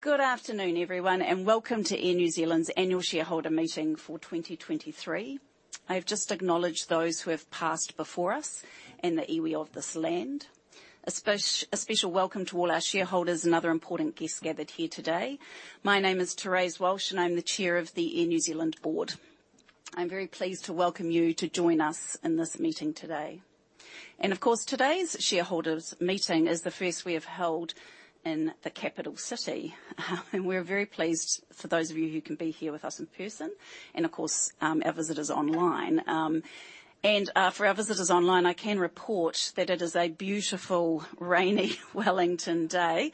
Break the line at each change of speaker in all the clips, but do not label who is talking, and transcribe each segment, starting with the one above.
Good afternoon, everyone, and welcome to Air New Zealand's Annual Shareholder Meeting for 2023. I have just acknowledged those who have passed before us and the iwi of this land. A special welcome to all our shareholders and other important guests gathered here today. My name is Therese Walsh, and I'm the Chair of the Air New Zealand board. I'm very pleased to welcome you to join us in this meeting today. Of course, today's shareholders meeting is the first we have held in the capital city, and we're very pleased for those of you who can be here with us in person and, of course, our visitors online. For our visitors online, I can report that it is a beautiful, rainy Wellington day.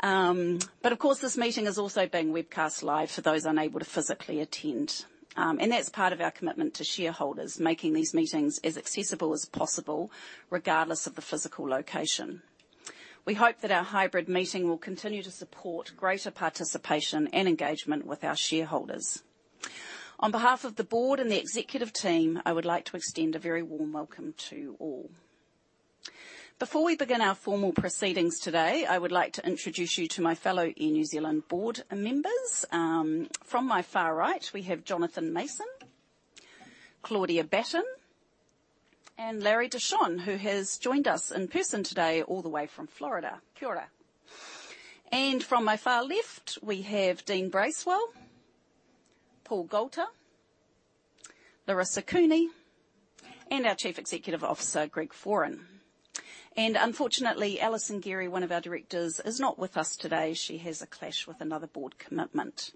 But of course, this meeting is also being webcast live for those unable to physically attend. And that's part of our commitment to shareholders, making these meetings as accessible as possible, regardless of the physical location. We hope that our hybrid meeting will continue to support greater participation and engagement with our shareholders. On behalf of the board and the executive team, I would like to extend a very warm welcome to you all. Before we begin our formal proceedings today, I would like to introduce you to my fellow Air New Zealand board members. From my far right, we have Jonathan Mason, Claudia Batten, and Larry De Shon, who has joined us in person today all the way from Florida. Kia ora. And from my far left, we have Dean Bracewell, Paul Goulter, Laurissa Cooney, and our Chief Executive Officer, Greg Foran. And unfortunately, Alison Gerry, one of our directors, is not with us today. She has a clash with another board commitment.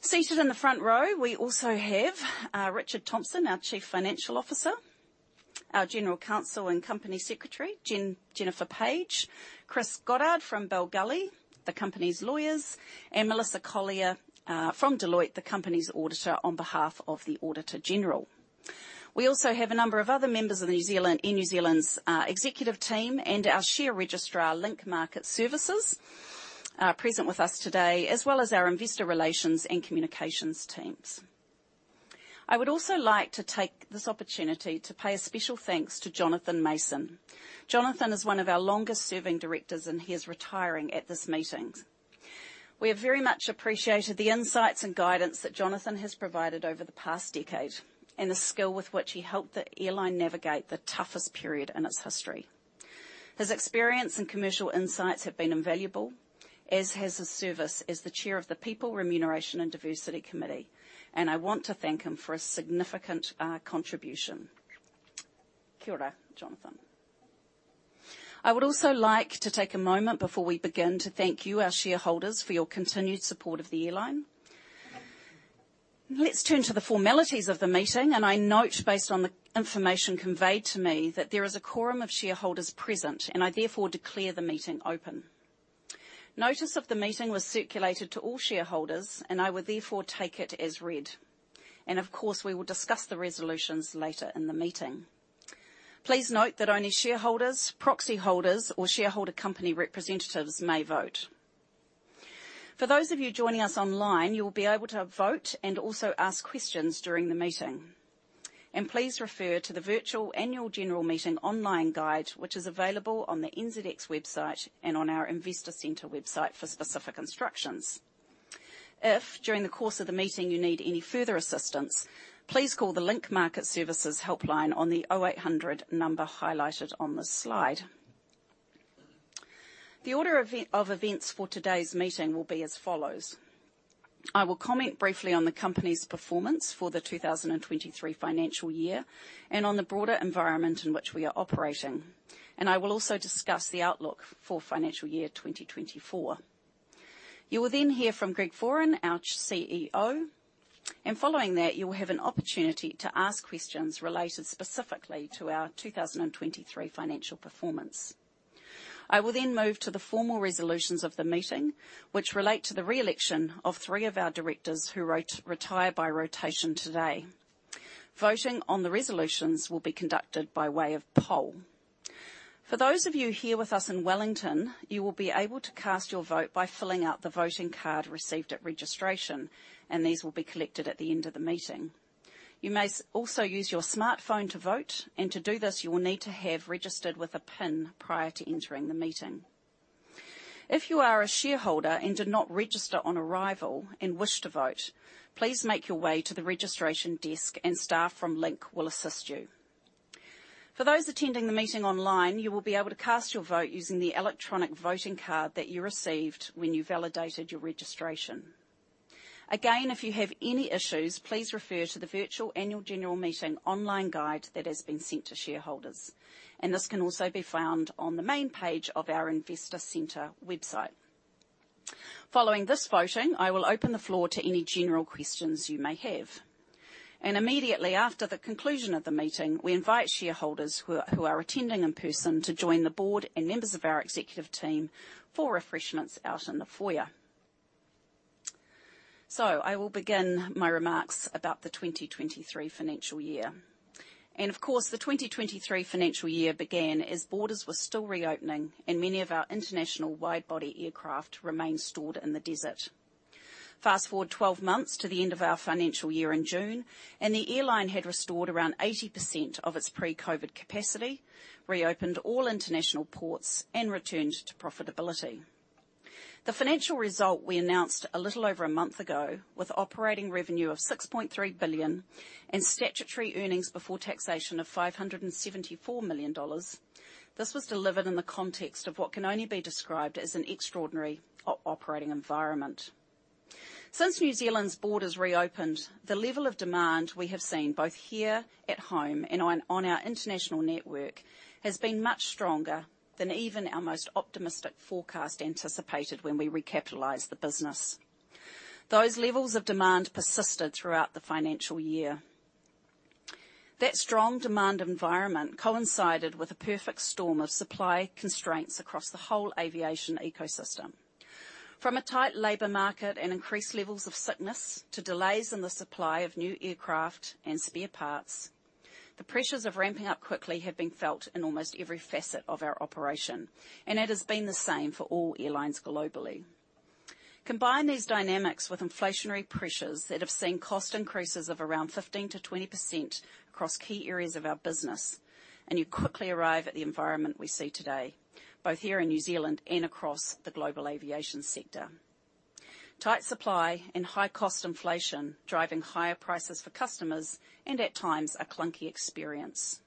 Seated in the front row, we also have Richard Thompson, our Chief Financial Officer, our General Counsel and Company Secretary, Jennifer Page, Chris Goddard from Bell Gully, the company's lawyers, and Melissa Collier from Deloitte, the company's auditor, on behalf of the Auditor-General. We also have a number of other members of Air New Zealand's executive team and our share registrar, Link Market Services, present with us today, as well as our investor relations and communications teams. I would also like to take this opportunity to pay a special thanks to Jonathan Mason. Jonathan is one of our longest-serving directors, and he is retiring at this meeting. We have very much appreciated the insights and guidance that Jonathan has provided over the past decade and the skill with which he helped the airline navigate the toughest period in its history. His experience and commercial insights have been invaluable, as has his service as the chair of the People, Remuneration and Diversity Committee, and I want to thank him for his significant contribution. Kia ora, Jonathan. I would also like to take a moment before we begin to thank you, our shareholders, for your continued support of the airline. Let's turn to the formalities of the meeting, and I note, based on the information conveyed to me, that there is a quorum of shareholders present, and I therefore declare the meeting open. Notice of the meeting was circulated to all shareholders, and I would therefore take it as read, and of course, we will discuss the resolutions later in the meeting. Please note that only shareholders, proxy holders, or shareholder company representatives may vote. For those of you joining us online, you will be able to vote and also ask questions during the meeting. Please refer to the Virtual Annual General Meeting Online Guide, which is available on the NZX website and on our Investor Centre website for specific instructions. If, during the course of the meeting, you need any further assistance, please call the Link Market Services helpline on the 0800 number highlighted on this slide. The order of events for today's meeting will be as follows: I will comment briefly on the company's performance for the 2023 financial year and on the broader environment in which we are operating, and I will also discuss the outlook for financial year 2024. You will then hear from Greg Foran, our CEO, and following that, you will have an opportunity to ask questions related specifically to our 2023 financial performance. I will then move to the formal resolutions of the meeting, which relate to the re-election of three of our directors who retire by rotation today. Voting on the resolutions will be conducted by way of poll. For those of you here with us in Wellington, you will be able to cast your vote by filling out the voting card received at registration, and these will be collected at the end of the meeting. You may also use your smartphone to vote, and to do this, you will need to have registered with a PIN prior to entering the meeting. If you are a shareholder and did not register on arrival and wish to vote, please make your way to the registration desk, and staff from Link will assist you. For those attending the meeting online, you will be able to cast your vote using the electronic voting card that you received when you validated your registration. Again, if you have any issues, please refer to the Virtual Annual General Meeting Online Guide that has been sent to shareholders, and this can also be found on the main page of our Investor Centre website. Following this voting, I will open the floor to any general questions you may have. Immediately after the conclusion of the meeting, we invite shareholders who are attending in person to join the board and members of our executive team for refreshments out in the foyer. So I will begin my remarks about the 2023 financial year. Of course, the 2023 financial year began as borders were still reopening, and many of our international wide-body aircraft remained stored in the desert. Fast forward 12 months to the end of our financial year in June, and the airline had restored around 80% of its pre-COVID capacity, reopened all international ports, and returned to profitability. The financial result we announced a little over a month ago, with operating revenue of 6.3 billion and statutory earnings before taxation of 574 million dollars, this was delivered in the context of what can only be described as an extraordinary operating environment. Since New Zealand's borders reopened, the level of demand we have seen, both here at home and on our international network, has been much stronger than even our most optimistic forecast anticipated when we recapitalized the business. Those levels of demand persisted throughout the financial year. That strong demand environment coincided with a perfect storm of supply constraints across the whole aviation ecosystem. From a tight labor market and increased levels of sickness, to delays in the supply of new aircraft and spare parts, the pressures of ramping up quickly have been felt in almost every facet of our operation, and it has been the same for all airlines globally. Combine these dynamics with inflationary pressures that have seen cost increases of around 15%-20% across key areas of our business, and you quickly arrive at the environment we see today, both here in New Zealand and across the global aviation sector. Tight supply and high cost inflation, driving higher prices for customers and, at times, a clunky experience.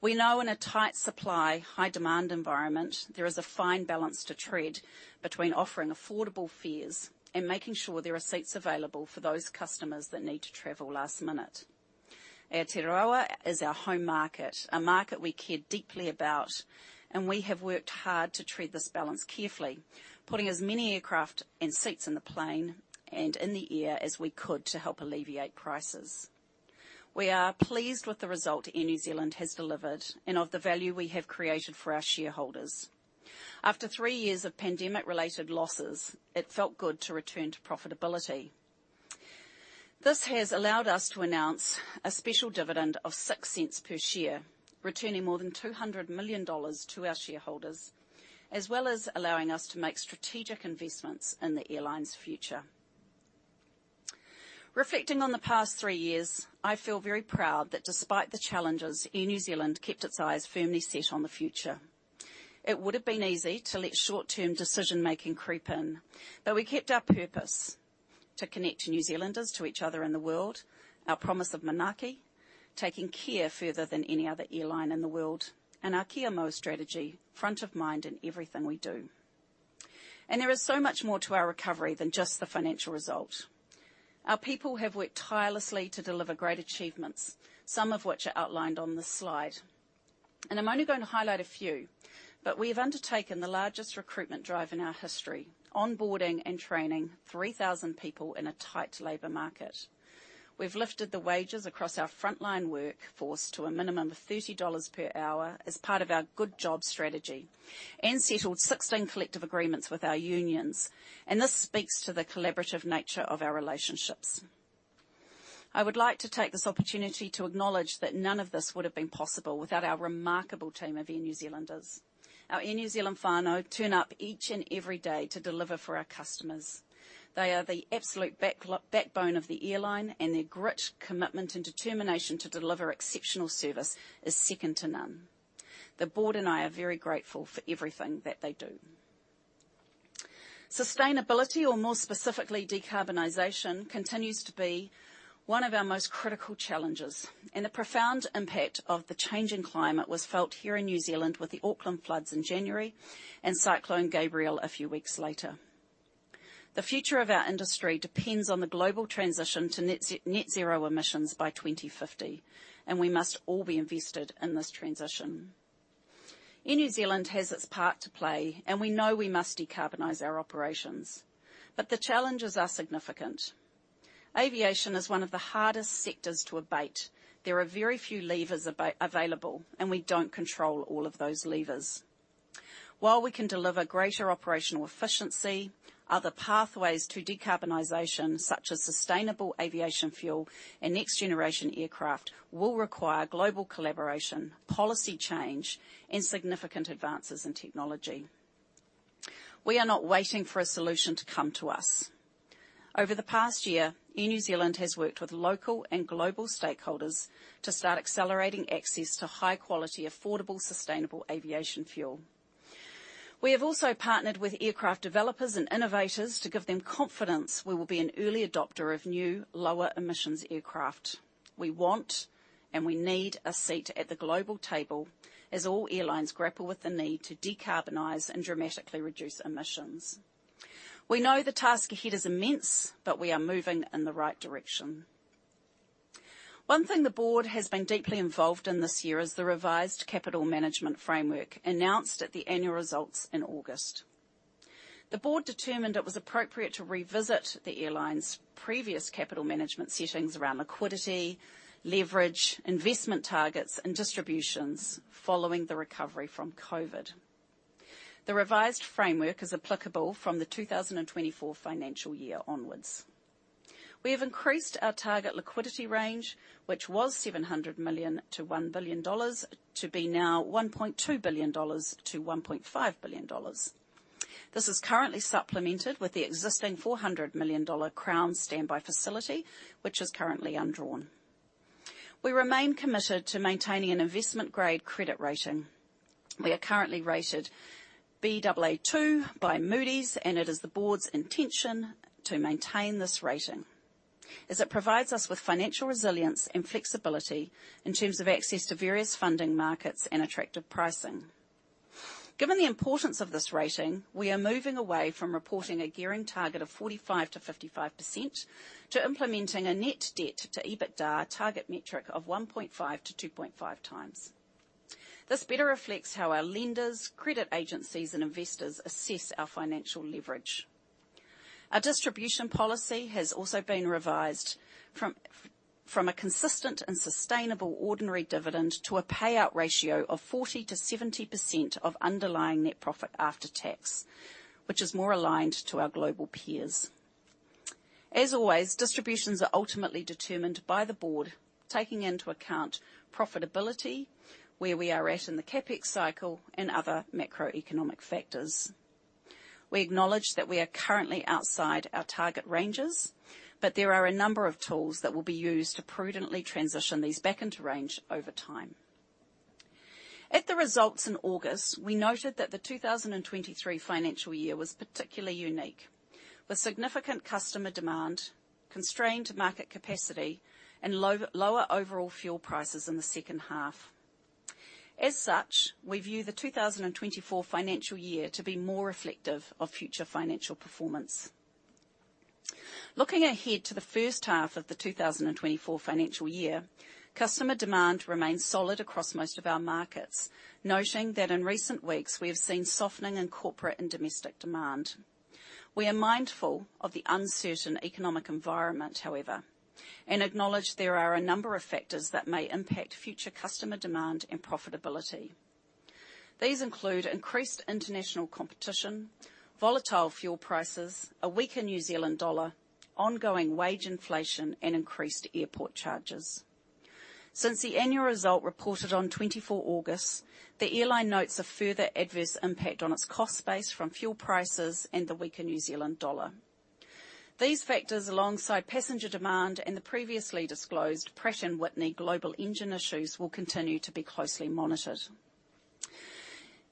We know in a tight supply, high demand environment, there is a fine balance to tread between offering affordable fares and making sure there are seats available for those customers that need to travel last minute. Aotearoa is our home market, a market we care deeply about, and we have worked hard to tread this balance carefully, putting as many aircraft and seats in the plane and in the air as we could to help alleviate prices. We are pleased with the result Air New Zealand has delivered and of the value we have created for our shareholders. After three years of pandemic-related losses, it felt good to return to profitability. This has allowed us to announce a special dividend of 0.06 per share, returning more than 200 million dollars to our shareholders, as well as allowing us to make strategic investments in the airline's future. Reflecting on the past three years, I feel very proud that despite the challenges, Air New Zealand kept its eyes firmly set on the future. It would have been easy to let short-term decision-making creep in, but we kept our purpose: to connect New Zealanders to each other and the world, our promise of manaaki, taking care further than any other airline in the world, and our Kia Mau strategy, front of mind in everything we do. There is so much more to our recovery than just the financial result. Our people have worked tirelessly to deliver great achievements, some of which are outlined on this slide. I'm only going to highlight a few, but we have undertaken the largest recruitment drive in our history, onboarding and training 3,000 people in a tight labor market. We've lifted the wages across our frontline workforce to a minimum of 30 dollars per hour as part of our Good Jobs strategy, and settled 16 collective agreements with our unions, and this speaks to the collaborative nature of our relationships. I would like to take this opportunity to acknowledge that none of this would have been possible without our remarkable team of Air New Zealanders. Our Air New Zealand whānau turn up each and every day to deliver for our customers. They are the absolute backbone of the airline, and their grit, commitment, and determination to deliver exceptional service is second to none. The board and I are very grateful for everything that they do. Sustainability, or more specifically, decarbonization, continues to be one of our most critical challenges, and the profound impact of the changing climate was felt here in New Zealand with the Auckland floods in January and Cyclone Gabrielle a few weeks later. The future of our industry depends on the global transition to net zero emissions by 2050, and we must all be invested in this transition. Air New Zealand has its part to play, and we know we must decarbonize our operations, but the challenges are significant. Aviation is one of the hardest sectors to abate. There are very few levers available, and we don't control all of those levers. While we can deliver greater operational efficiency, other pathways to decarbonization, such as sustainable aviation fuel and next-generation aircraft, will require global collaboration, policy change, and significant advances in technology. We are not waiting for a solution to come to us. Over the past year, Air New Zealand has worked with local and global stakeholders to start accelerating access to high-quality, affordable, sustainable aviation fuel. We have also partnered with aircraft developers and innovators to give them confidence we will be an early adopter of new, lower-emissions aircraft. We want and we need a seat at the global table as all airlines grapple with the need to decarbonize and dramatically reduce emissions. We know the task ahead is immense, but we are moving in the right direction. One thing the board has been deeply involved in this year is the revised capital management framework, announced at the annual results in August. The board determined it was appropriate to revisit the airline's previous capital management settings around liquidity, leverage, investment targets, and distributions following the recovery from COVID. The revised framework is applicable from the 2024 financial year onwards. We have increased our target liquidity range, which was 700 million-1 billion dollars, to be now 1.2 billion-1.5 billion dollars. This is currently supplemented with the existing 400 million dollar Crown standby facility, which is currently undrawn. We remain committed to maintaining an investment-grade credit rating. We are currently rated Baa2 by Moody's, and it is the board's intention to maintain this rating, as it provides us with financial resilience and flexibility in terms of access to various funding markets and attractive pricing. Given the importance of this rating, we are moving away from reporting a gearing target of 45%-55%, to implementing a net debt to EBITDA target metric of 1.5-2.5 times. This better reflects how our lenders, credit agencies, and investors assess our financial leverage. Our distribution policy has also been revised from a consistent and sustainable ordinary dividend to a payout ratio of 40%-70% of underlying net profit after tax, which is more aligned to our global peers. As always, distributions are ultimately determined by the board, taking into account profitability, where we are at in the CapEx cycle, and other macroeconomic factors. We acknowledge that we are currently outside our target ranges, but there are a number of tools that will be used to prudently transition these back into range over time. At the results in August, we noted that the 2023 financial year was particularly unique, with significant customer demand, constrained market capacity, and lower overall fuel prices in the second half. As such, we view the 2024 financial year to be more reflective of future financial performance. Looking ahead to the first half of the 2024 financial year, customer demand remains solid across most of our markets, noting that in recent weeks we have seen softening in corporate and domestic demand. We are mindful of the uncertain economic environment, however, and acknowledge there are a number of factors that may impact future customer demand and profitability. These include increased international competition, volatile fuel prices, a weaker New Zealand dollar, ongoing wage inflation, and increased airport charges. Since the annual result reported on August 24, the airline notes a further adverse impact on its cost base from fuel prices and the weaker New Zealand dollar. These factors, alongside passenger demand and the previously disclosed Pratt & Whitney global engine issues, will continue to be closely monitored.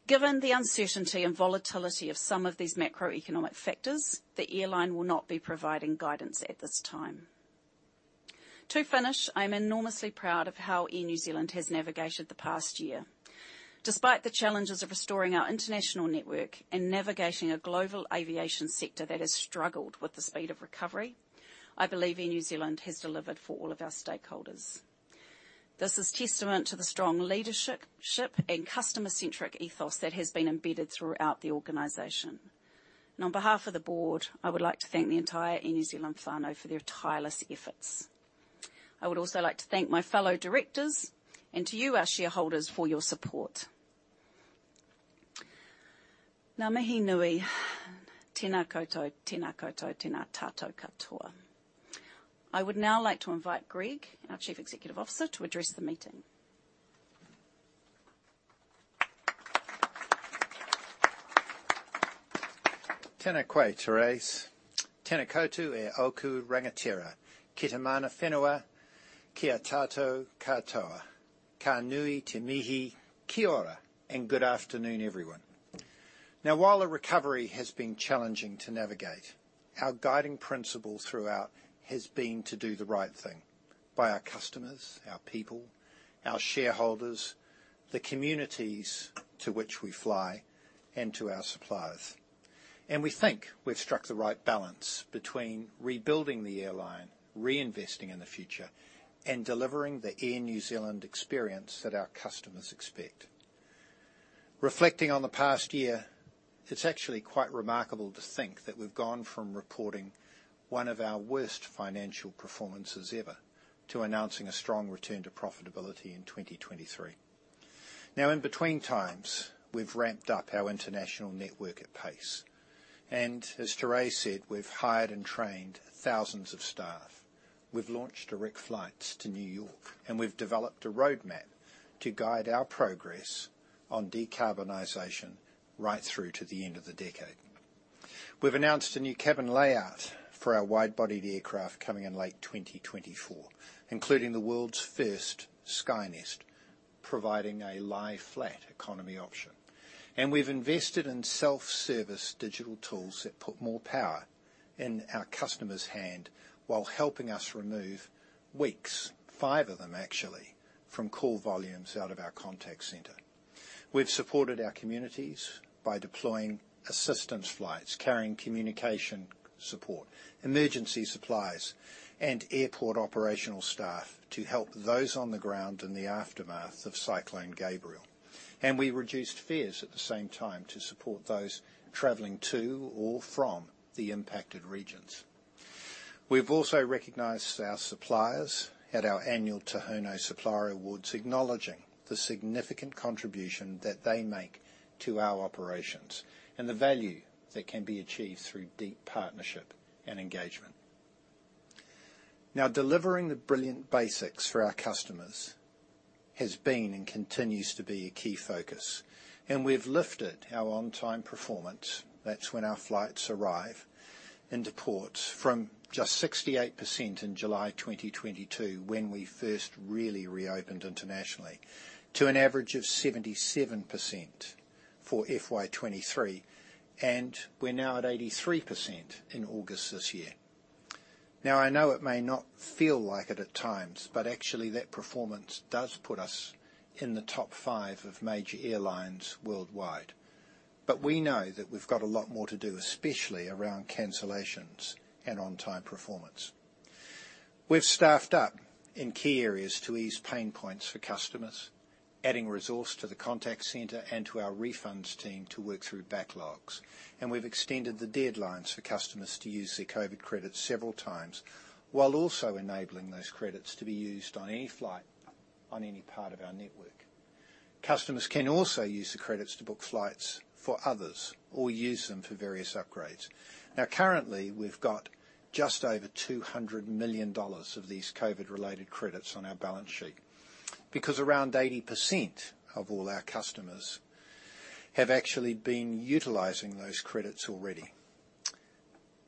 Given the uncertainty and volatility of some of these macroeconomic factors, the airline will not be providing guidance at this time. To finish, I'm enormously proud of how Air New Zealand has navigated the past year. Despite the challenges of restoring our international network and navigating a global aviation sector that has struggled with the speed of recovery, I believe Air New Zealand has delivered for all of our stakeholders. This is testament to the strong leadership and customer-centric ethos that has been embedded throughout the organization. On behalf of the board, I would like to thank the entire Air New Zealand whānau for their tireless efforts. I would also like to thank my fellow directors, and to you, our shareholders, for your support. I would now like to invite Greg, our Chief Executive Officer, to address the meeting.
Tēnā koe, Therese. Tēnā koutou e oku rangatira, ki te mana whenua, ki a tātou katoa. Ka nui te mihi. Kia ora, and good afternoon, everyone. Now, while the recovery has been challenging to navigate, our guiding principle throughout has been to do the right thing by our customers, our people, our shareholders, the communities to which we fly, and to our suppliers. And we think we've struck the right balance between rebuilding the airline, reinvesting in the future, and delivering the Air New Zealand experience that our customers expect. Reflecting on the past year, it's actually quite remarkable to think that we've gone from reporting one of our worst financial performances ever to announcing a strong return to profitability in 2023. Now, in between times, we've ramped up our international network at pace, and as Therese said, we've hired and trained thousands of staff. We've launched direct flights to New York, and we've developed a roadmap to guide our progress on decarbonization right through to the end of the decade. We've announced a new cabin layout for our wide-bodied aircraft coming in late 2024, including the world's first Skynest, providing a lie-flat economy option. We've invested in self-service digital tools that put more power in our customers' hand, while helping us remove weeks, 5 of them actually, from call volumes out of our contact center. We've supported our communities by deploying assistance flights, carrying communication support, emergency supplies, and airport operational staff to help those on the ground in the aftermath of Cyclone Gabrielle. We reduced fares at the same time to support those traveling to or from the impacted regions. We've also recognized our suppliers at our annual Tūhono Supplier Awards, acknowledging the significant contribution that they make to our operations and the value that can be achieved through deep partnership and engagement.... Now, delivering the brilliant basics for our customers has been, and continues to be, a key focus, and we've lifted our on-time performance. That's when our flights arrive into port, from just 68% in July 2022, when we first really reopened internationally, to an average of 77% for FY 2023, and we're now at 83% in August this year. Now, I know it may not feel like it at times, but actually, that performance does put us in the top five of major airlines worldwide. But we know that we've got a lot more to do, especially around cancellations and on-time performance. We've staffed up in key areas to ease pain points for customers, adding resource to the contact center and to our refunds team to work through backlogs, and we've extended the deadlines for customers to use their COVID credits several times, while also enabling those credits to be used on any flight on any part of our network. Customers can also use the credits to book flights for others or use them for various upgrades. Now, currently, we've got just over 200 million dollars of these COVID-related credits on our balance sheet, because around 80% of all our customers have actually been utilizing those credits already.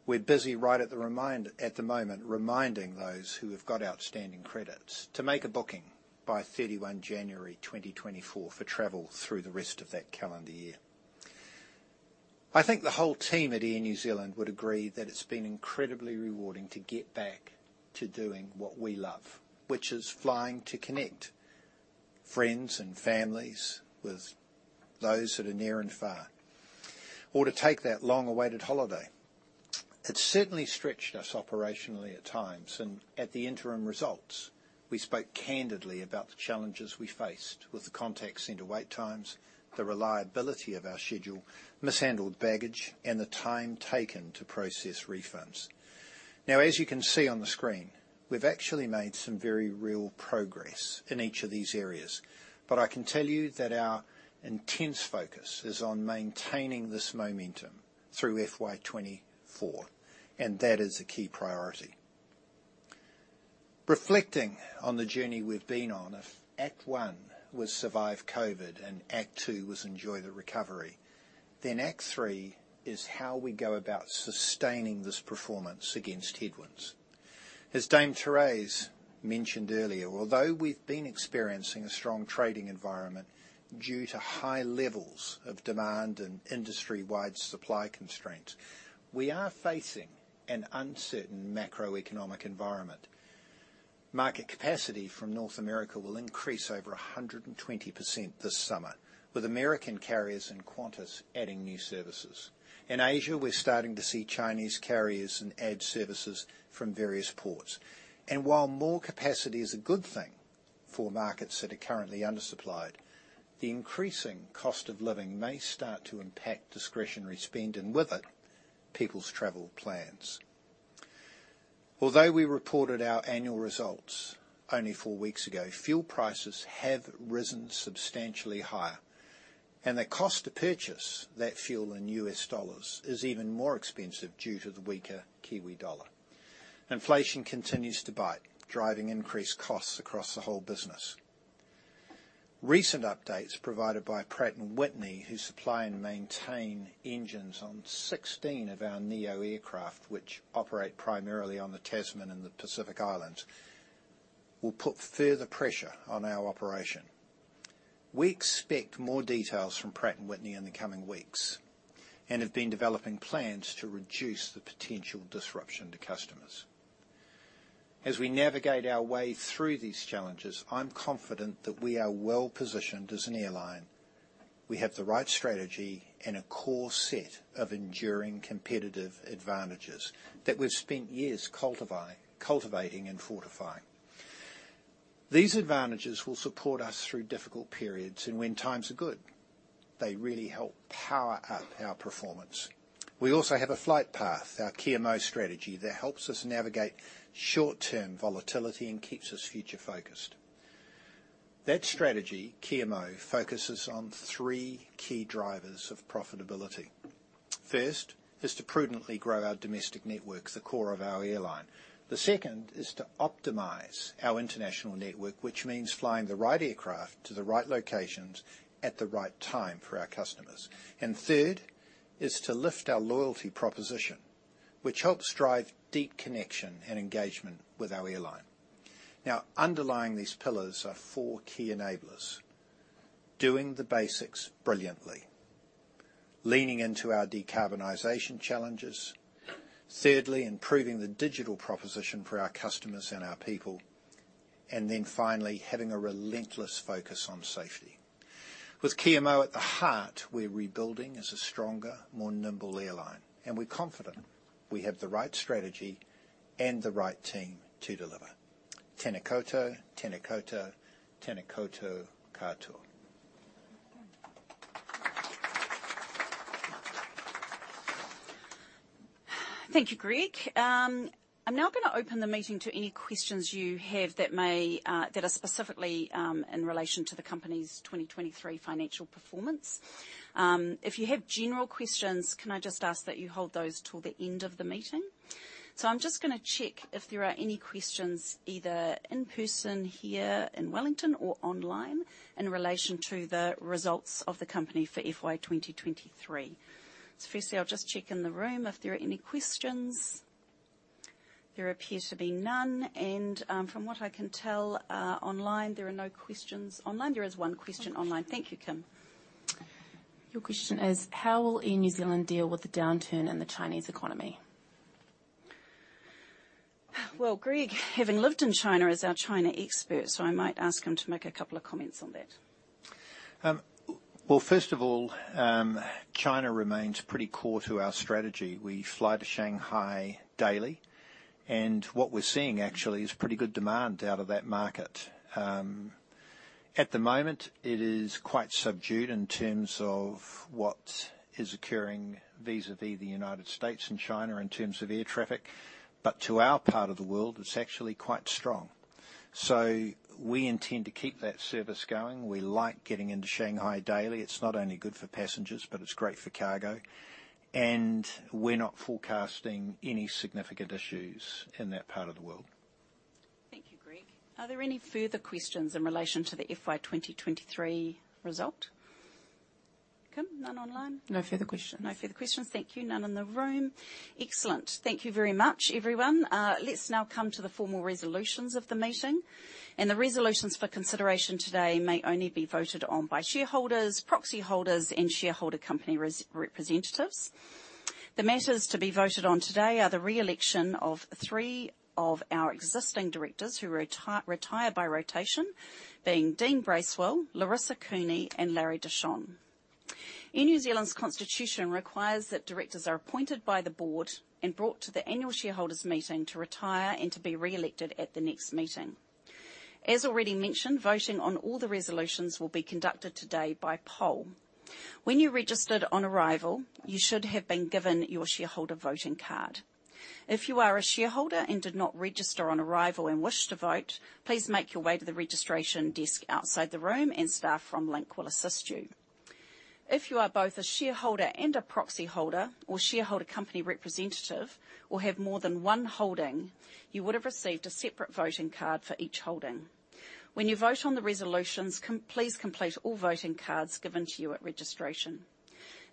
We're busy at the moment reminding those who have got outstanding credits to make a booking by 31 January 2024 for travel through the rest of that calendar year. I think the whole team at Air New Zealand would agree that it's been incredibly rewarding to get back to doing what we love, which is flying to connect friends and families with those that are near and far, or to take that long-awaited holiday. It's certainly stretched us operationally at times, and at the interim results, we spoke candidly about the challenges we faced with the contact center wait times, the reliability of our schedule, mishandled baggage, and the time taken to process refunds. Now, as you can see on the screen, we've actually made some very real progress in each of these areas, but I can tell you that our intense focus is on maintaining this momentum through FY 24, and that is a key priority. Reflecting on the journey we've been on, if act one was survive COVID, and act two was enjoy the recovery, then act three is how we go about sustaining this performance against headwinds. As Dame Therese mentioned earlier, although we've been experiencing a strong trading environment due to high levels of demand and industry-wide supply constraints, we are facing an uncertain macroeconomic environment. Market capacity from North America will increase over 120% this summer, with American carriers and Qantas adding new services. In Asia, we're starting to see Chinese carriers and add services from various ports. While more capacity is a good thing for markets that are currently undersupplied, the increasing cost of living may start to impact discretionary spend, and with it, people's travel plans. Although we reported our annual results only four weeks ago, fuel prices have risen substantially higher, and the cost to purchase that fuel in U.S. dollars is even more expensive due to the weaker Kiwi dollar. Inflation continues to bite, driving increased costs across the whole business. Recent updates provided by Pratt & Whitney, who supply and maintain engines on 16 of our neo aircraft, which operate primarily on the Tasman and the Pacific Islands, will put further pressure on our operation. We expect more details from Pratt & Whitney in the coming weeks and have been developing plans to reduce the potential disruption to customers. As we navigate our way through these challenges, I'm confident that we are well-positioned as an airline. We have the right strategy and a core set of enduring competitive advantages that we've spent years cultivating and fortifying. These advantages will support us through difficult periods, and when times are good, they really help power up our performance. We also have a flight path, our Kia Mau strategy, that helps us navigate short-term volatility and keeps us future-focused. That strategy, Kia Mau, focuses on three key drivers of profitability. First, is to prudently grow our domestic network, the core of our airline. The second is to optimize our international network, which means flying the right aircraft to the right locations at the right time for our customers. And third, is to lift our loyalty proposition, which helps drive deep connection and engagement with our airline. Now, underlying these pillars are four key enablers: doing the basics brilliantly, leaning into our decarbonization challenges, thirdly, improving the digital proposition for our customers and our people, and then finally, having a relentless focus on safety. With Kia Mau at the heart, we're rebuilding as a stronger, more nimble airline, and we're confident we have the right strategy and the right team to deliver. Tena koutou, tena koutou, tena koutou katoa.
Thank you, Greg. I'm now going to open the meeting to any questions you have that may, that are specifically, in relation to the company's 2023 financial performance. If you have general questions, can I just ask that you hold those till the end of the meeting? So I'm just gonna check if there are any questions, either in person here in Wellington or online, in relation to the results of the company for FY 2023. So firstly, I'll just check in the room if there are any questions. There appear to be none, and, from what I can tell, online, there are no questions online. There is one question online. Thank you, Kim. Your question is: How will Air New Zealand deal with the downturn in the Chinese economy? Well, Greg, having lived in China, is our China expert, so I might ask him to make a couple of comments on that.
Well, first of all, China remains pretty core to our strategy. We fly to Shanghai daily, and what we're seeing actually is pretty good demand out of that market. At the moment, it is quite subdued in terms of what is occurring vis-a-vis the United States and China in terms of air traffic, but to our part of the world, it's actually quite strong. So we intend to keep that service going. We like getting into Shanghai daily. It's not only good for passengers, but it's great for cargo. And we're not forecasting any significant issues in that part of the world.
Thank you, Greg. Are there any further questions in relation to the FY 2023 result? Kim, none online?
No further questions.
No further questions. Thank you. None in the room. Excellent. Thank you very much, everyone. Let's now come to the formal resolutions of the meeting, and the resolutions for consideration today may only be voted on by shareholders, proxy holders, and shareholder company representatives. The matters to be voted on today are the re-election of three of our existing directors who retire by rotation, being Dean Bracewell, Laurissa Cooney, and Larry De Shon. Air New Zealand's constitution requires that directors are appointed by the board and brought to the annual shareholders meeting to retire and to be re-elected at the next meeting. As already mentioned, voting on all the resolutions will be conducted today by poll. When you registered on arrival, you should have been given your shareholder voting card. If you are a shareholder and did not register on arrival and wish to vote, please make your way to the registration desk outside the room, and staff from Link will assist you. If you are both a shareholder and a proxy holder or shareholder company representative or have more than one holding, you would have received a separate voting card for each holding. When you vote on the resolutions, please complete all voting cards given to you at registration.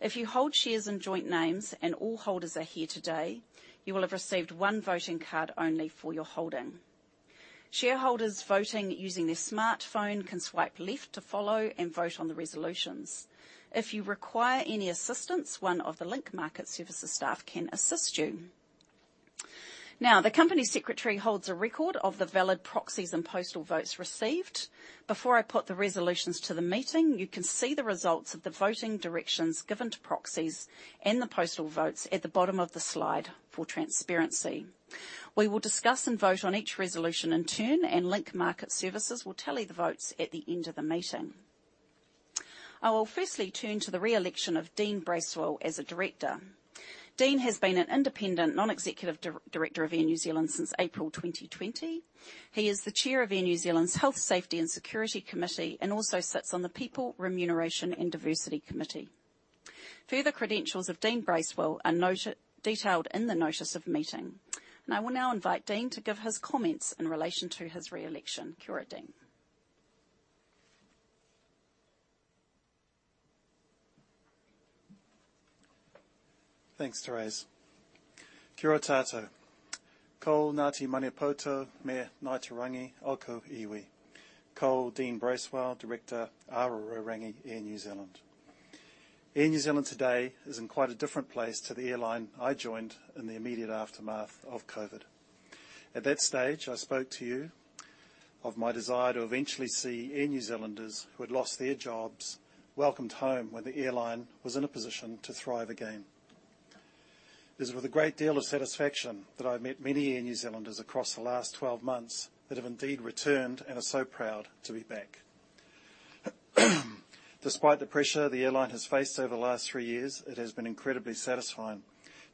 If you hold shares in joint names and all holders are here today, you will have received one voting card only for your holding. Shareholders voting using their smartphone can swipe left to follow and vote on the resolutions. If you require any assistance, one of the Link Market Services staff can assist you. Now, the company secretary holds a record of the valid proxies and postal votes received. Before I put the resolutions to the meeting, you can see the results of the voting directions given to proxies and the postal votes at the bottom of the slide for transparency. We will discuss and vote on each resolution in turn, and Link Market Services will tally the votes at the end of the meeting. I will firstly turn to the re-election of Dean Bracewell as a director. Dean has been an independent, non-executive director of Air New Zealand since April 2020. He is the Chair of Air New Zealand's Health, Safety, and Security Committee, and also sits on the People, Remuneration, and Diversity Committee. Further credentials of Dean Bracewell are noted, detailed in the notice of meeting, and I will now invite Dean to give his comments in relation to his re-election. Kia ora, Dean.
Thanks, Therese. Kia ora koutou. Ko Ngāti Maniapoto me Ngāi Te Rangi oku iwi. Ko Dean Bracewell, director, Aotearoa Rangi, Air New Zealand. Air New Zealand today is in quite a different place to the airline I joined in the immediate aftermath of COVID. At that stage, I spoke to you of my desire to eventually see Air New Zealanders who had lost their jobs, welcomed home when the airline was in a position to thrive again. It is with a great deal of satisfaction that I've met many Air New Zealanders across the last 12 months that have indeed returned and are so proud to be back. Despite the pressure the airline has faced over the last 3 years, it has been incredibly satisfying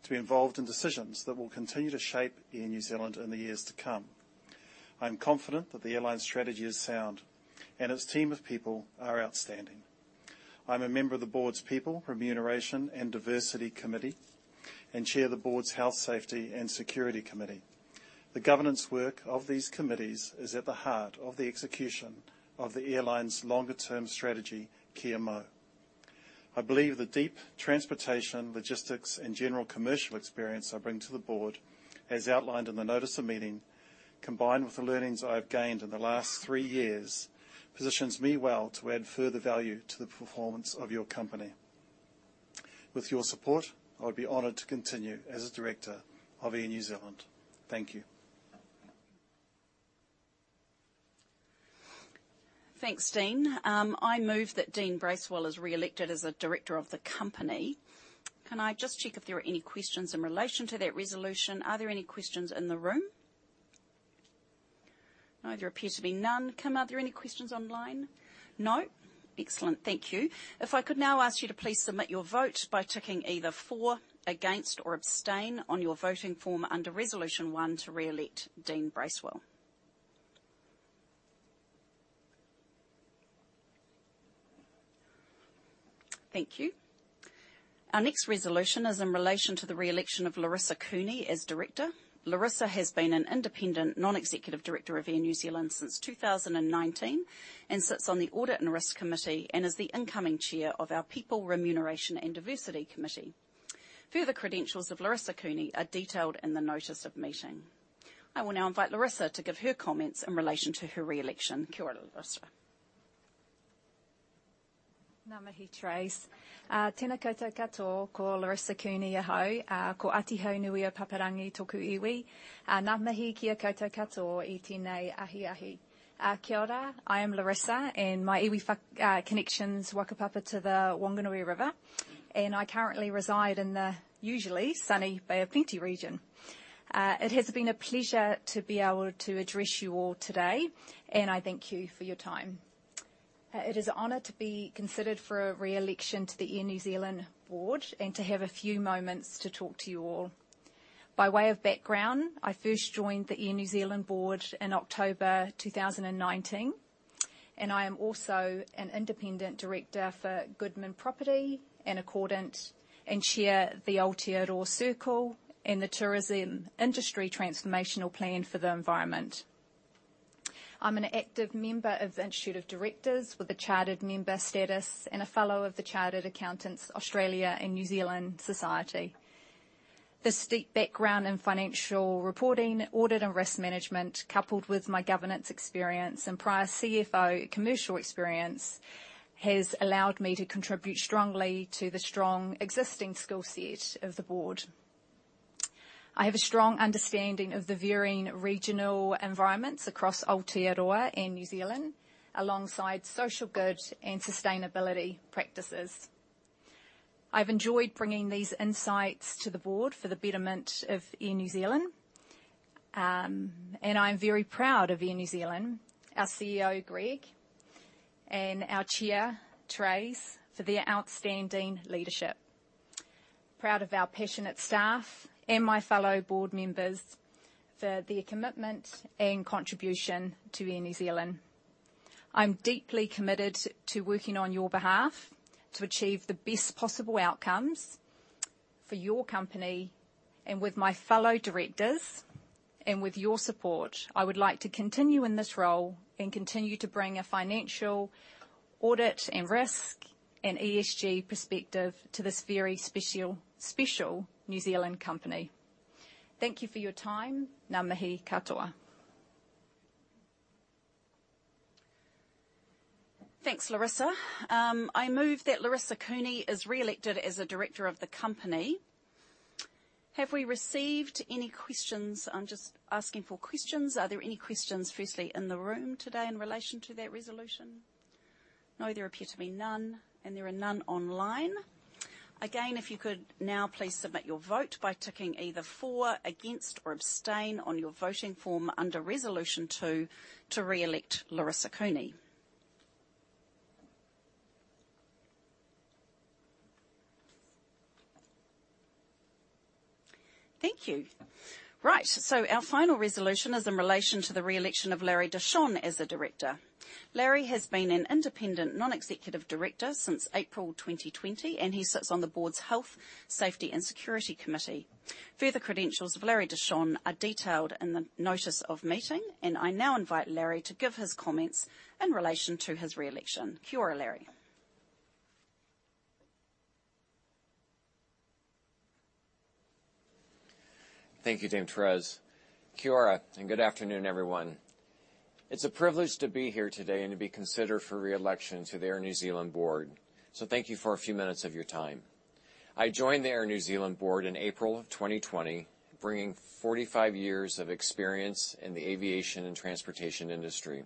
to be involved in decisions that will continue to shape Air New Zealand in the years to come. I'm confident that the airline's strategy is sound, and its team of people are outstanding. I'm a member of the board's People, Remuneration, and Diversity Committee, and Chair of the board's Health, Safety, and Security Committee. The governance work of these committees is at the heart of the execution of the airline's longer-term strategy, Kia Mau. I believe the deep transportation, logistics, and general commercial experience I bring to the board, as outlined in the notice of meeting, combined with the learnings I've gained in the last three years, positions me well to add further value to the performance of your company. With your support, I'd be honored to continue as a director of Air New Zealand. Thank you.
Thanks, Dean. I move that Dean Bracewell is re-elected as a director of the company. Can I just check if there are any questions in relation to that resolution? Are there any questions in the room? No, there appears to be none. Kim, are there any questions online? No. Excellent. Thank you. If I could now ask you to please submit your vote by ticking either for, against, or abstain on your voting form under Resolution 1, to re-elect Dean Bracewell. Thank you. Our next resolution is in relation to the re-election of Laurissa Cooney as director. Laurissa has been an independent, non-executive director of Air New Zealand since 2019, and sits on the Audit and Risk Committee, and is the incoming chair of our People, Remuneration, and Diversity Committee. Further credentials of Laurissa Cooney are detailed in the notice of meeting. I will now invite Laurissa to give her comments in relation to her re-election. Kia ora, Laurissa.
Ngā mihi, Trace. Tena koutou katoa, ko Laurissa Cooney ahau. Ko Āti Haunui-a-Pāpārangi tōku iwi. Ngā mihi kia koutou katoa i tēnei ahiahi. Kia ora, I am Laurissa, and my iwi connections, whakapapa to the Whanganui River, and I currently reside in the usually sunny Bay of Plenty region. It has been a pleasure to be able to address you all today, and I thank you for your time. It is an honor to be considered for re-election to the Air New Zealand board and to have a few moments to talk to you all. By way of background, I first joined the Air New Zealand board in October 2019, and I am also an independent director for Goodman Property and Accordant, and chair the Aotearoa Circle, and the Tourism Industry Transformation Plan for the Environment. I'm an active member of the Institute of Directors with a chartered member status and a fellow of the Chartered Accountants Australia and New Zealand. This deep background in financial reporting, audit, and risk management, coupled with my governance experience and prior CFO commercial experience, has allowed me to contribute strongly to the strong existing skill set of the board. I have a strong understanding of the varying regional environments across Aotearoa and New Zealand, alongside social good and sustainability practices. I've enjoyed bringing these insights to the board for the betterment of Air New Zealand. And I'm very proud of Air New Zealand, our CEO, Greg, and our Chair, Therese, for their outstanding leadership. Proud of our passionate staff and my fellow board members for their commitment and contribution to Air New Zealand. I'm deeply committed to working on your behalf to achieve the best possible outcomes for your company, and with my fellow directors and with your support, I would like to continue in this role and continue to bring a financial, audit, and risk, and ESG perspective to this very special, special New Zealand company. Thank you for your time. Ngā mihi katoa.
Thanks, Laurissa. I move that Laurissa Cooney is re-elected as a director of the company. Have we received any questions? I'm just asking for questions. Are there any questions, firstly, in the room today in relation to that resolution? No, there appear to be none, and there are none online. Again, if you could now please submit your vote by ticking either for, against, or abstain on your voting form under Resolution Two to re-elect Laurissa Cooney. Thank you. Right, so our final resolution is in relation to the re-election of Larry De Shon as a director. Larry has been an independent, non-executive director since April 2020, and he sits on the board's Health, Safety, and Security Committee. Further credentials of Larry De Shon are detailed in the notice of meeting, and I now invite Larry to give his comments in relation to his re-election. Kia ora, Larry.
Thank you, Dame Therese. Kia ora, and good afternoon, everyone. It's a privilege to be here today and to be considered for re-election to the Air New Zealand board. So thank you for a few minutes of your time. I joined the Air New Zealand board in April of 2020, bringing 45 years of experience in the aviation and transportation industry,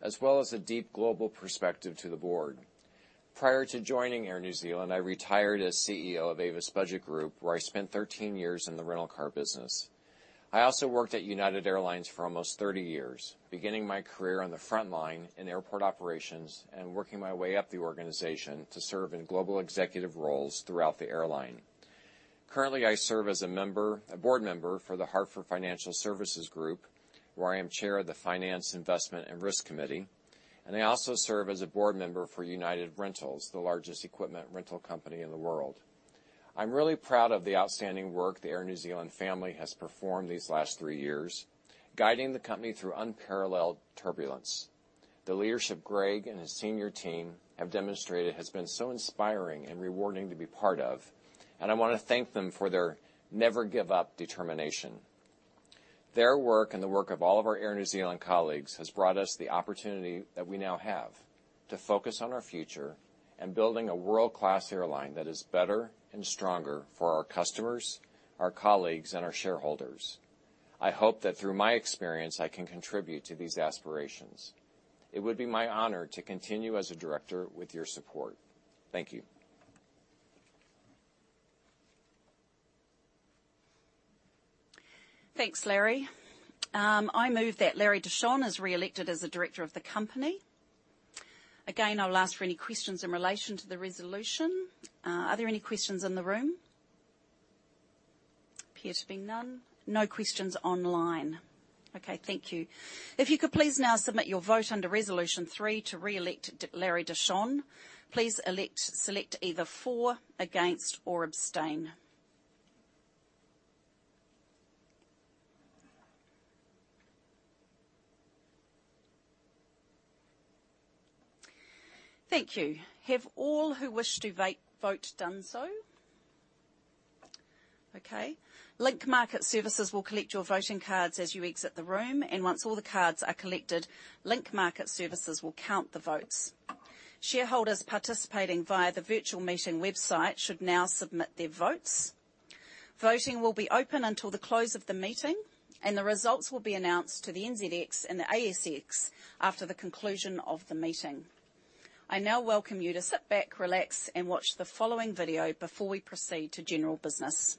as well as a deep global perspective to the board. Prior to joining Air New Zealand, I retired as CEO of Avis Budget Group, where I spent 13 years in the rental car business. I also worked at United Airlines for almost 30 years, beginning my career on the front line in airport operations and working my way up the organization to serve in global executive roles throughout the airline. Currently, I serve as a member, a board member for the Hartford Financial Services Group, where I am chair of the Finance, Investment, and Risk Committee, and I also serve as a board member for United Rentals, the largest equipment rental company in the world. I'm really proud of the outstanding work the Air New Zealand family has performed these last three years, guiding the company through unparalleled turbulence. The leadership Greg and his senior team have demonstrated has been so inspiring and rewarding to be part of, and I want to thank them for their never-give-up determination. Their work, and the work of all of our Air New Zealand colleagues, has brought us the opportunity that we now have to focus on our future and building a world-class airline that is better and stronger for our customers, our colleagues, and our shareholders. I hope that through my experience, I can contribute to these aspirations. It would be my honor to continue as a director with your support. Thank you.
Thanks, Larry. I move that Larry De Shon is re-elected as the director of the company. Again, I'll ask for any questions in relation to the resolution. Are there any questions in the room? There appear to be none. No questions online. Okay, thank you. If you could please now submit your vote under Resolution three to re-elect Larry De Shon, please select either for, against, or abstain. Thank you. Have all who wish to vote done so? Okay. Link Market Services will collect your voting cards as you exit the room, and once all the cards are collected, Link Market Services will count the votes. Shareholders participating via the virtual meeting website should now submit their votes. Voting will be open until the close of the meeting, and the results will be announced to the NZX and the ASX after the conclusion of the meeting. I now welcome you to sit back, relax, and watch the following video before we proceed to general business.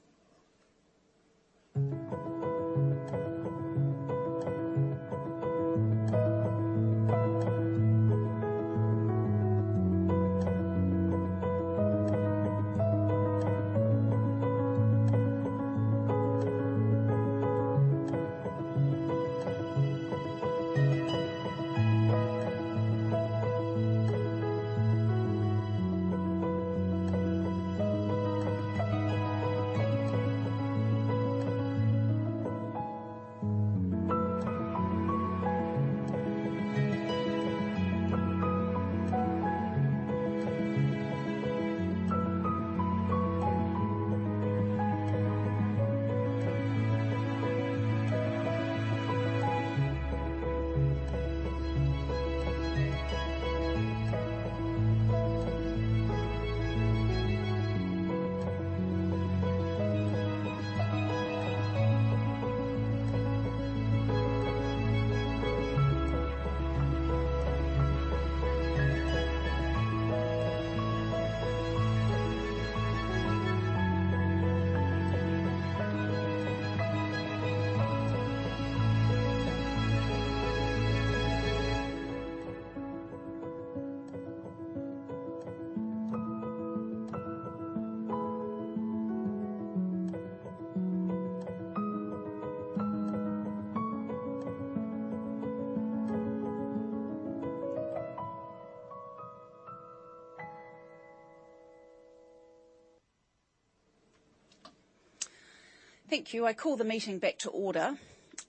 Thank you. I call the meeting back to order.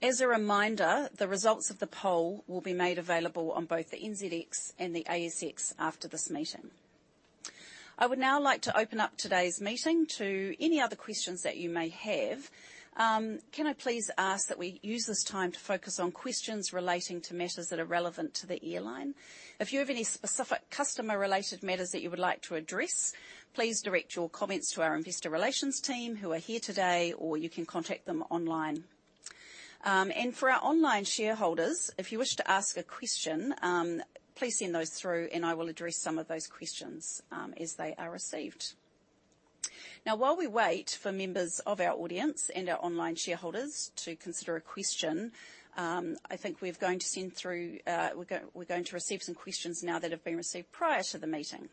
As a reminder, the results of the poll will be made available on both the NZX and the ASX after this meeting. I would now like to open up today's meeting to any other questions that you may have. Can I please ask that we use this time to focus on questions relating to matters that are relevant to the airline? If you have any specific customer-related matters that you would like to address, please direct your comments to our investor relations team, who are here today, or you can contact them online. And for our online shareholders, if you wish to ask a question, please send those through, and I will address some of those questions, as they are received. Now, while we wait for members of our audience and our online shareholders to consider a question, I think we're going to receive some questions now that have been received prior to the meeting.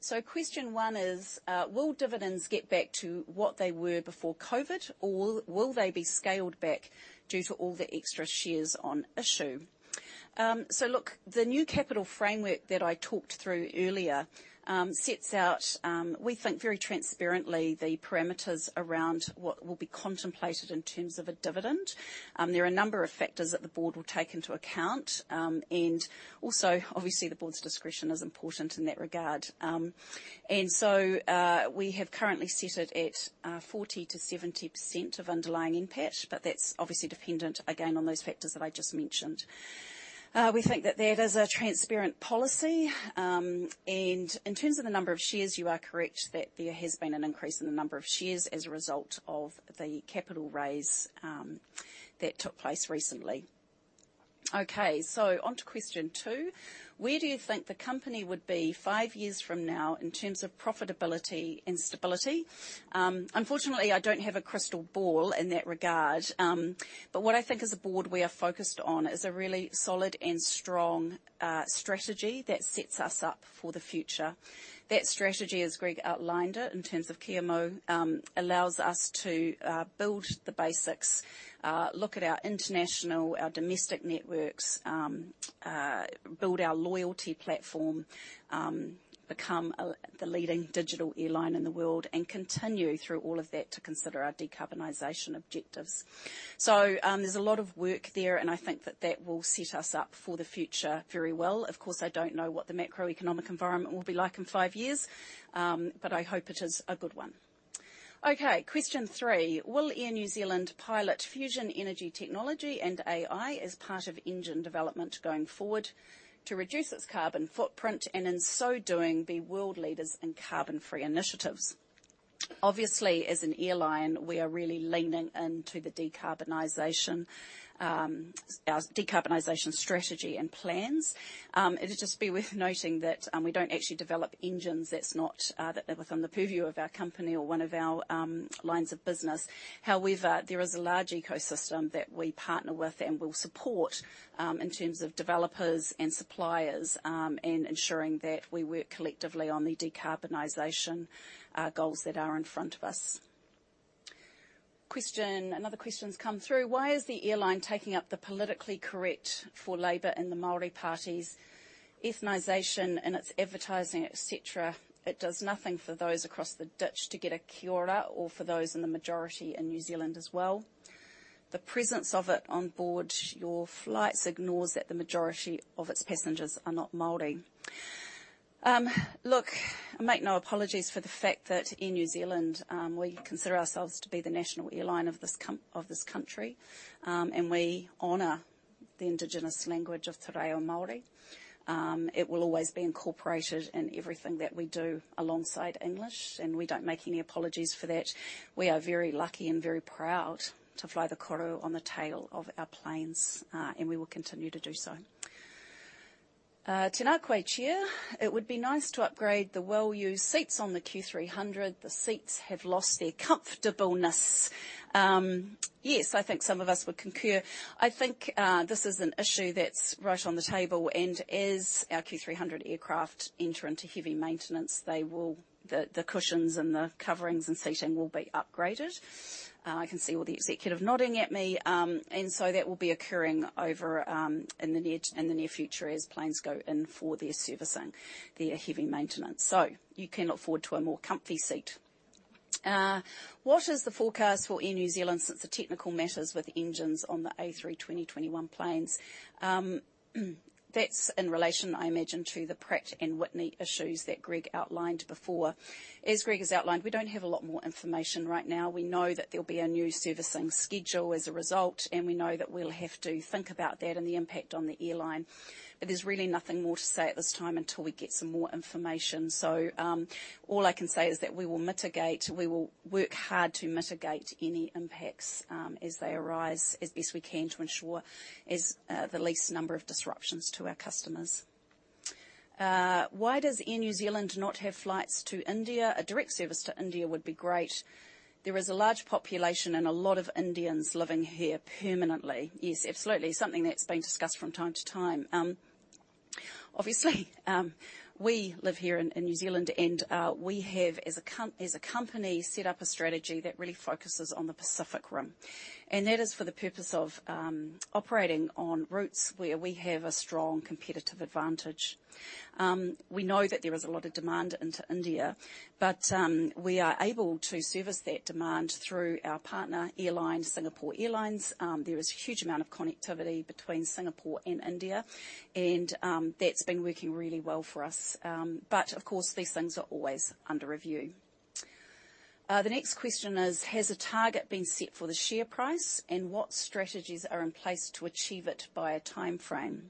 So question one is: Will dividends get back to what they were before COVID, or will they be scaled back due to all the extra shares on issue? So look, the new capital framework that I talked through earlier sets out, we think, very transparently, the parameters around what will be contemplated in terms of a dividend. There are a number of factors that the board will take into account. And also, obviously, the board's discretion is important in that regard. And so, we have currently set it at 40%-70% of underlying NPAT, but that's obviously dependent, again, on those factors that I just mentioned. We think that that is a transparent policy. And in terms of the number of shares, you are correct, that there has been an increase in the number of shares as a result of the capital raise that took place recently. Okay, so on to question two: Where do you think the company would be five years from now in terms of profitability and stability? Unfortunately, I don't have a crystal ball in that regard, but what I think as a board we are focused on is a really solid and strong strategy that sets us up for the future. That strategy, as Greg outlined it, in terms of Kia Mau, allows us to build the basics, look at our international, our domestic networks, build our loyalty platform, become the leading digital airline in the world, and continue through all of that to consider our decarbonization objectives. So, there's a lot of work there, and I think that that will set us up for the future very well. Of course, I don't know what the macroeconomic environment will be like in five years, but I hope it is a good one. Okay, question three: Will Air New Zealand pilot fusion energy technology and AI as part of engine development going forward, to reduce its carbon footprint, and in so doing, be world leaders in carbon-free initiatives? Obviously, as an airline, we are really leaning into the decarbonization, our decarbonization strategy and plans. It is just worth noting that we don't actually develop engines. That's not within the purview of our company or one of our lines of business. However, there is a large ecosystem that we partner with and will support in terms of developers and suppliers, and ensuring that we work collectively on the decarbonization goals that are in front of us. Question, another question's come through: Why is the airline taking up the politically correct for Labour and the Māori parties, ethnization in its advertising, et cetera? It does nothing for those across the ditch to get a Kia Ora or for those in the majority in New Zealand as well. The presence of it on board your flights ignores that the majority of its passengers are not Māori. Look, I make no apologies for the fact that in New Zealand, we consider ourselves to be the national airline of this country. And we honor the indigenous language of Te Reo Māori. It will always be incorporated in everything that we do alongside English, and we don't make any apologies for that. We are very lucky and very proud to fly the Koru on the tail of our planes, and we will continue to do so. Tēnā koe, Chia: It would be nice to upgrade the well-used seats on the Q300. The seats have lost their comfortableness. Yes, I think some of us would concur. I think, this is an issue that's right on the table, and as our Q300 aircraft enter into heavy maintenance, they will the cushions and the coverings and seating will be upgraded. I can see all the executive nodding at me. And so that will be occurring over in the near future as planes go in for their servicing, their heavy maintenance. So you can look forward to a more comfy seat. What is the forecast for Air New Zealand since the technical matters with engines on the A320neo and A321neo planes? That's in relation, I imagine, to the Pratt & Whitney issues that Greg outlined before. As Greg has outlined, we don't have a lot more information right now. We know that there'll be a new servicing schedule as a result, and we know that we'll have to think about that and the impact on the airline. But there's really nothing more to say at this time until we get some more information. So, all I can say is that we will mitigate, we will work hard to mitigate any impacts, as they arise, as best we can, to ensure as, the least number of disruptions to our customers. Why does Air New Zealand not have flights to India? A direct service to India would be great. There is a large population and a lot of Indians living here permanently. Yes, absolutely. Something that's been discussed from time to time. Obviously, we live here in New Zealand, and we have, as a company, set up a strategy that really focuses on the Pacific Rim, and that is for the purpose of operating on routes where we have a strong competitive advantage. We know that there is a lot of demand into India, but we are able to service that demand through our partner airline, Singapore Airlines. There is a huge amount of connectivity between Singapore and India, and that's been working really well for us. But, of course, these things are always under review. The next question is: Has a target been set for the share price, and what strategies are in place to achieve it by a timeframe?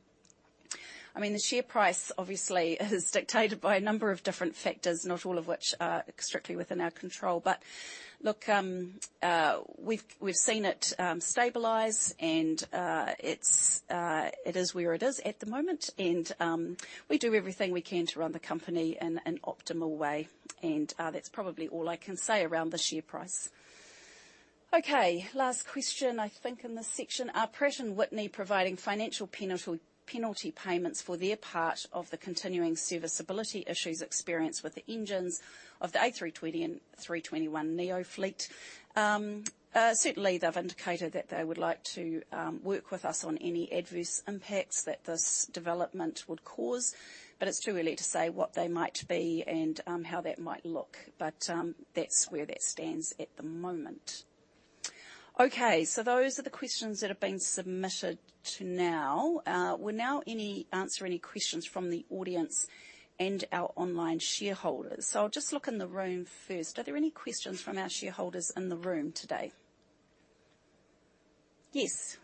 I mean, the share price, obviously, is dictated by a number of different factors, not all of which are strictly within our control. But, look, we've seen it stabilize, and it's it is where it is at the moment, and we do everything we can to run the company in an optimal way, and that's probably all I can say around the share price. Okay, last question, I think, in this section: Are Pratt & Whitney providing financial penalty payments for their part of the continuing serviceability issues experienced with the engines of the A320neo and A321neo fleet? Certainly, they've indicated that they would like to work with us on any adverse impacts that this development would cause, but it's too early to say what they might be and how that might look. But, that's where that stands at the moment. Okay, so those are the questions that have been submitted to now. We'll now answer any questions from the audience and our online shareholders. So I'll just look in the room first. Are there any questions from our shareholders in the room today? Yes.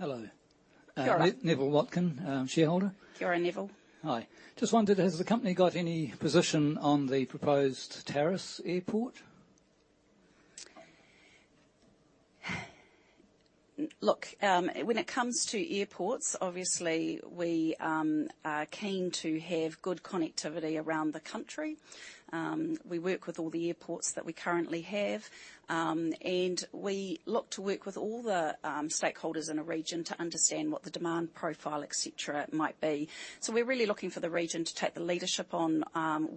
Hello.
Kia ora.
Neville Watkin, shareholder.
Kia ora, Neville.
Hi. Just wondered, has the company got any position on the proposed Tarras Airport?
Look, when it comes to airports, obviously we are keen to have good connectivity around the country. We work with all the airports that we currently have, and we look to work with all the stakeholders in a region to understand what the demand profile, et cetera, might be. So we're really looking for the region to take the leadership on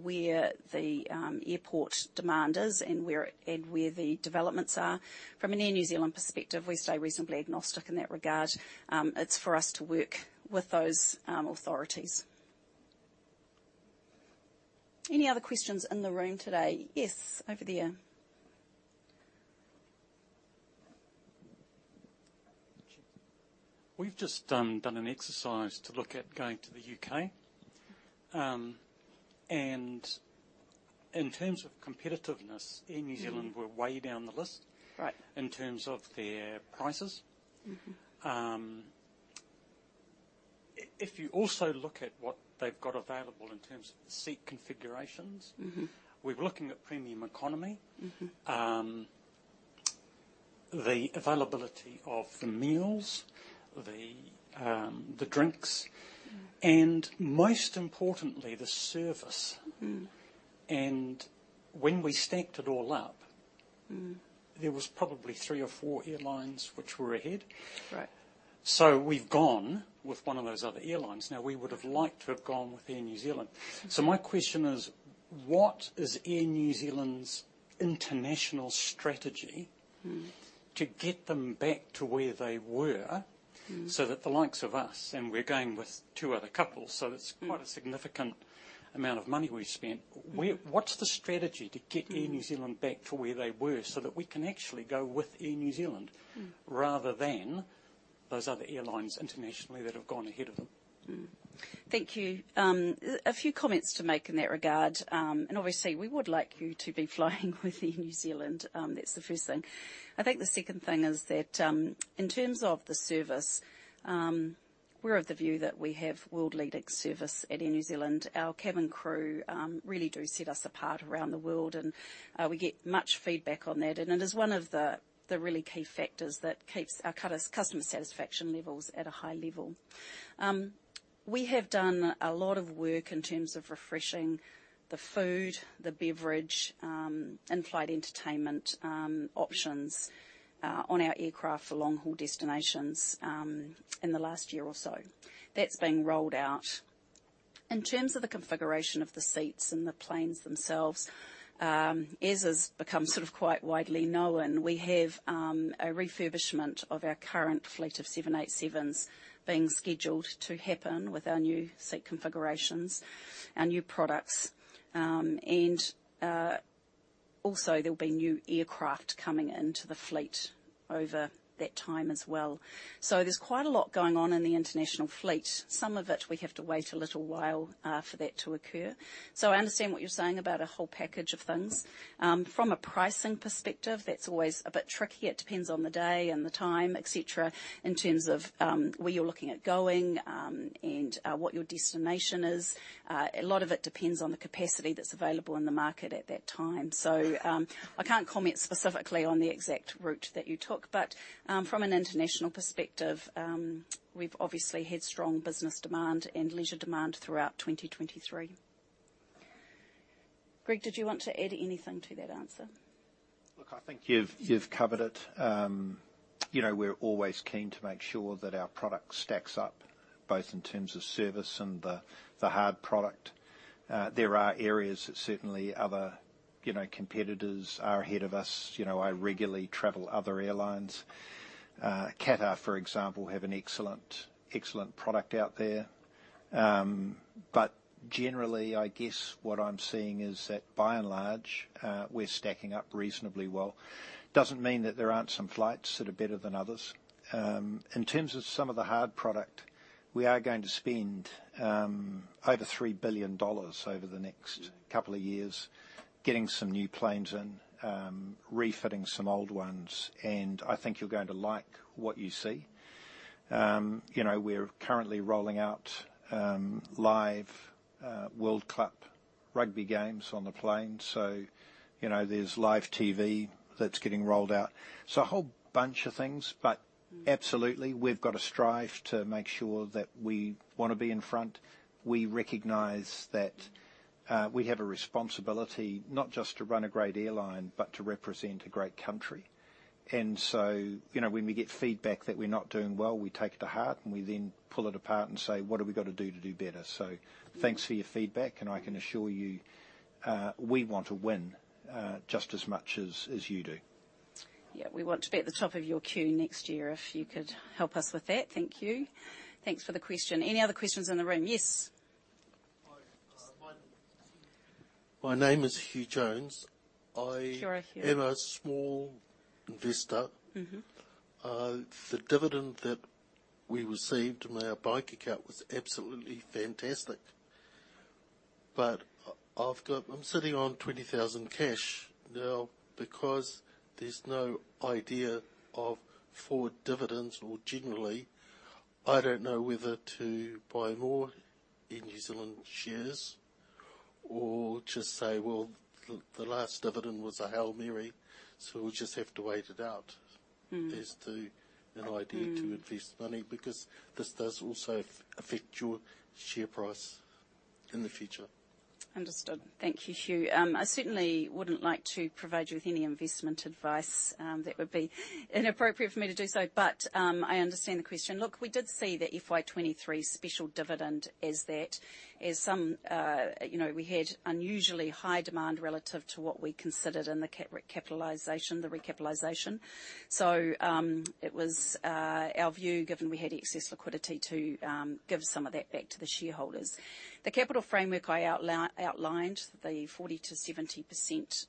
where the airport demand is and where, and where the developments are. From an Air New Zealand perspective, we stay reasonably agnostic in that regard. It's for us to work with those authorities. Any other questions in the room today? Yes, over there.
We've just done an exercise to look at going to the U.K. In terms of competitiveness-
Mm-hmm.
Air New Zealand were way down the list.
Right...
in terms of their prices.
Mm-hmm.
If you also look at what they've got available in terms of the seat configurations-
Mm-hmm...
we're looking at premium economy.
Mm-hmm.
The availability of the meals, the drinks, and most importantly, the service.
Mm.
When we stacked it all up, there was probably three or four airlines which were ahead?
Right.
We've gone with one of those other airlines. Now, we would have liked to have gone with Air New Zealand. My question is: what is Air New Zealand's international strategy-
Mm.
to get them back to where they were.
Mm
so that the likes of us, and we're going with two other couples, so it's-
Mm
Quite a significant amount of money we've spent.
Mm.
What's the strategy to get Air New Zealand?
Mm
back to where they were, so that we can actually go with Air New Zealand
Mm
Rather than those other airlines internationally that have gone ahead of them?
Thank you. A few comments to make in that regard. Obviously, we would like you to be flying with Air New Zealand. That's the first thing. I think the second thing is that, in terms of the service, we're of the view that we have world-leading service at Air New Zealand. Our cabin crew really do set us apart around the world, and we get much feedback on that, and it is one of the really key factors that keeps our customer satisfaction levels at a high level. We have done a lot of work in terms of refreshing the food, the beverage, in-flight entertainment options on our aircraft for long-haul destinations, in the last year or so. That's being rolled out. In terms of the configuration of the seats and the planes themselves, as has become sort of quite widely known, we have a refurbishment of our current fleet of 787s being scheduled to happen with our new seat configurations, our new products. And also there'll be new aircraft coming into the fleet over that time as well. So there's quite a lot going on in the international fleet. Some of it, we have to wait a little while for that to occur. So I understand what you're saying about a whole package of things. From a pricing perspective, that's always a bit tricky. It depends on the day and the time, et cetera, in terms of where you're looking at going and what your destination is. A lot of it depends on the capacity that's available in the market at that time. So, I can't comment specifically on the exact route that you took, but, from an international perspective, we've obviously had strong business demand and leisure demand throughout 2023. Greg, did you want to add anything to that answer?
Look, I think you've covered it. You know, we're always keen to make sure that our product stacks up, both in terms of service and the hard product. There are areas that certainly other competitors are ahead of us. You know, I regularly travel other airlines. Qatar, for example, have an excellent, excellent product out there. But generally, I guess what I'm seeing is that, by and large, we're stacking up reasonably well. Doesn't mean that there aren't some flights that are better than others. In terms of some of the hard product, we are going to spend over $3 billion over the next couple of years, getting some new planes in, refitting some old ones, and I think you're going to like what you see. You know, we're currently rolling out live World Cup rugby games on the plane, so, you know, there's live TV that's getting rolled out. So a whole bunch of things, but-
Mm
Absolutely, we've got to strive to make sure that we want to be in front. We recognize that we have a responsibility not just to run a great airline, but to represent a great country. And so, you know, when we get feedback that we're not doing well, we take it to heart, and we then pull it apart and say: What have we got to do to do better?
Mm.
Thanks for your feedback, and I can assure you, we want to win, just as much as you do.
Yeah, we want to be at the top of your queue next year, if you could help us with that. Thank you. Thanks for the question. Any other questions in the room? Yes.
Hi, my name is Hugh Jones.
Sure, Hugh.
am a small investor.
Mm-hmm.
The dividend that we received in my bank account was absolutely fantastic. But I've got... I'm sitting on 20,000 cash now. Because there's no idea of forward dividends or generally, I don't know whether to buy more Air New Zealand shares or just say, "Well, the last dividend was a Hail Mary, so we'll just have to wait it out-
Mm....
as to an idea
Mm
-to invest money," because this does also affect your share price in the future.
Understood. Thank you, Hugh. I certainly wouldn't like to provide you with any investment advice. That would be inappropriate for me to do so, but I understand the question. Look, we did see the FY 2023 special dividend as that, as some... You know, we had unusually high demand relative to what we considered in the capitalization, the recapitalization. So, it was our view, given we had excess liquidity, to give some of that back to the shareholders. The capital framework I outlined, the 40%-70%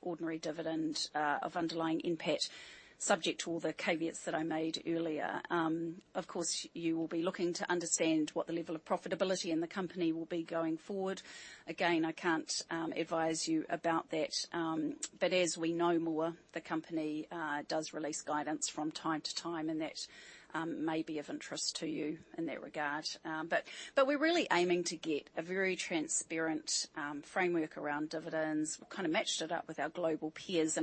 ordinary dividend of underlying NPAT, subject to all the caveats that I made earlier. Of course, you will be looking to understand what the level of profitability in the company will be going forward. Again, I can't advise you about that, but as we know more, the company does release guidance from time to time, and that may be of interest to you in that regard. But we're really aiming to get a very transparent framework around dividends. We've kind of matched it up with our global peers.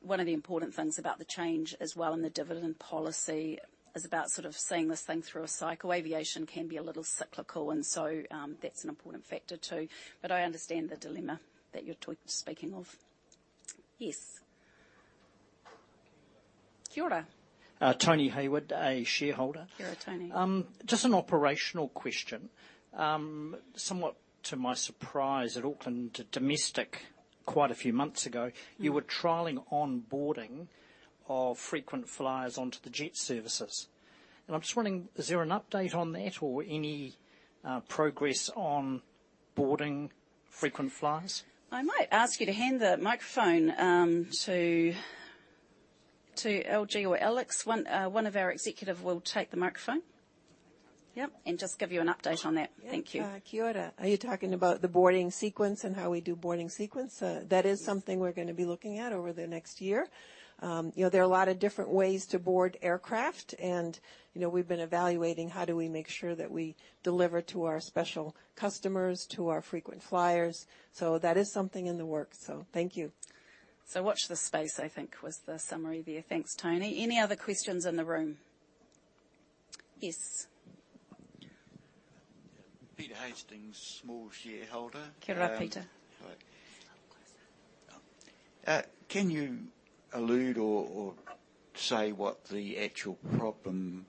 One of the important things about the change as well, and the dividend policy, is about sort of seeing this thing through a cycle. Aviation can be a little cyclical, and so, that's an important factor, too. But I understand the dilemma that you're talking, speaking of. Yes? Kia ora.
Tony Hayward, a shareholder.
Kia ora, Tony.
Just an operational question. Somewhat to my surprise, at Auckland Domestic, quite a few months ago-
Mm-hmm.
You were trialing onboarding of frequent flyers onto the jet services. I'm just wondering, is there an update on that, or any progress on boarding frequent flyers?
I might ask you to hand the microphone to LG or Alex. One of our executive will take the microphone. Yep, and just give you an update on that. Thank you.
Yeah, kia ora. Are you talking about the boarding sequence and how we do boarding sequence? That is something we're gonna be looking at over the next year. You know, there are a lot of different ways to board aircraft, and, you know, we've been evaluating how do we make sure that we deliver to our special customers, to our frequent flyers. So that is something in the works, so thank you.
So, watch this space, I think, was the summary there. Thanks, Tony. Any other questions in the room? Yes.
Peter Hastings, small shareholder.
Kia ora, Peter.
Hi. Can you allude or say what the actual problem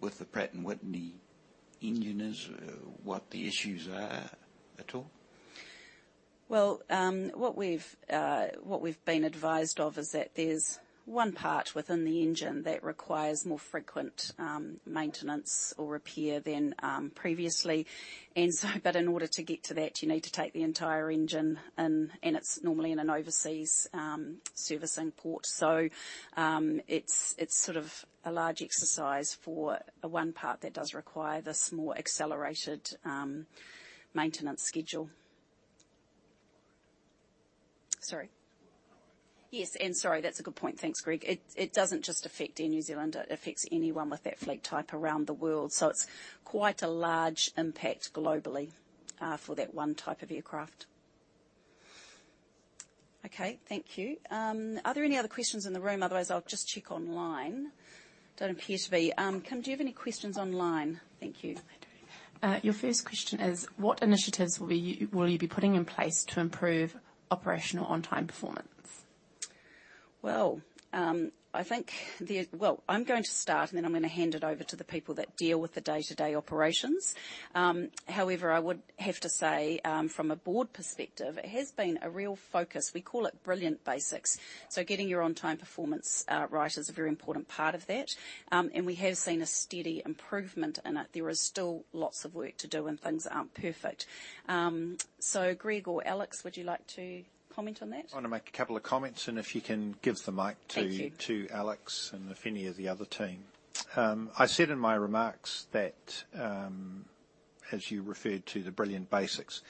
with the Pratt & Whitney engine is, what the issues are at all?
Well, what we've been advised of is that there's one part within the engine that requires more frequent maintenance or repair than previously, and so—but in order to get to that, you need to take the entire engine, and it's normally in an overseas servicing port. So, it's sort of a large exercise for the one part that does require this more accelerated maintenance schedule. Sorry? Yes, and sorry, that's a good point. Thanks, Greg. It doesn't just affect Air New Zealand, it affects anyone with that fleet type around the world, so it's quite a large impact globally for that one type of aircraft. Okay, thank you. Are there any other questions in the room? Otherwise, I'll just check online. Don't appear to be. Kim, do you have any questions online? Thank you.
I do. Your first question is: What initiatives will you be putting in place to improve operational on-time performance?
Well, I'm going to start, and then I'm gonna hand it over to the people that deal with the day-to-day operations. However, I would have to say, from a board perspective, it has been a real focus. We call it Brilliant Basics. So getting your on-time performance right is a very important part of that. And we have seen a steady improvement in it. There is still lots of work to do, and things aren't perfect. So Greg or Alex, would you like to comment on that?
I want to make a couple of comments, and if you can give the mic to-
Thank you...
to Alex, and if any of the other team. I said in my remarks that, as you referred to the Brilliant Basics,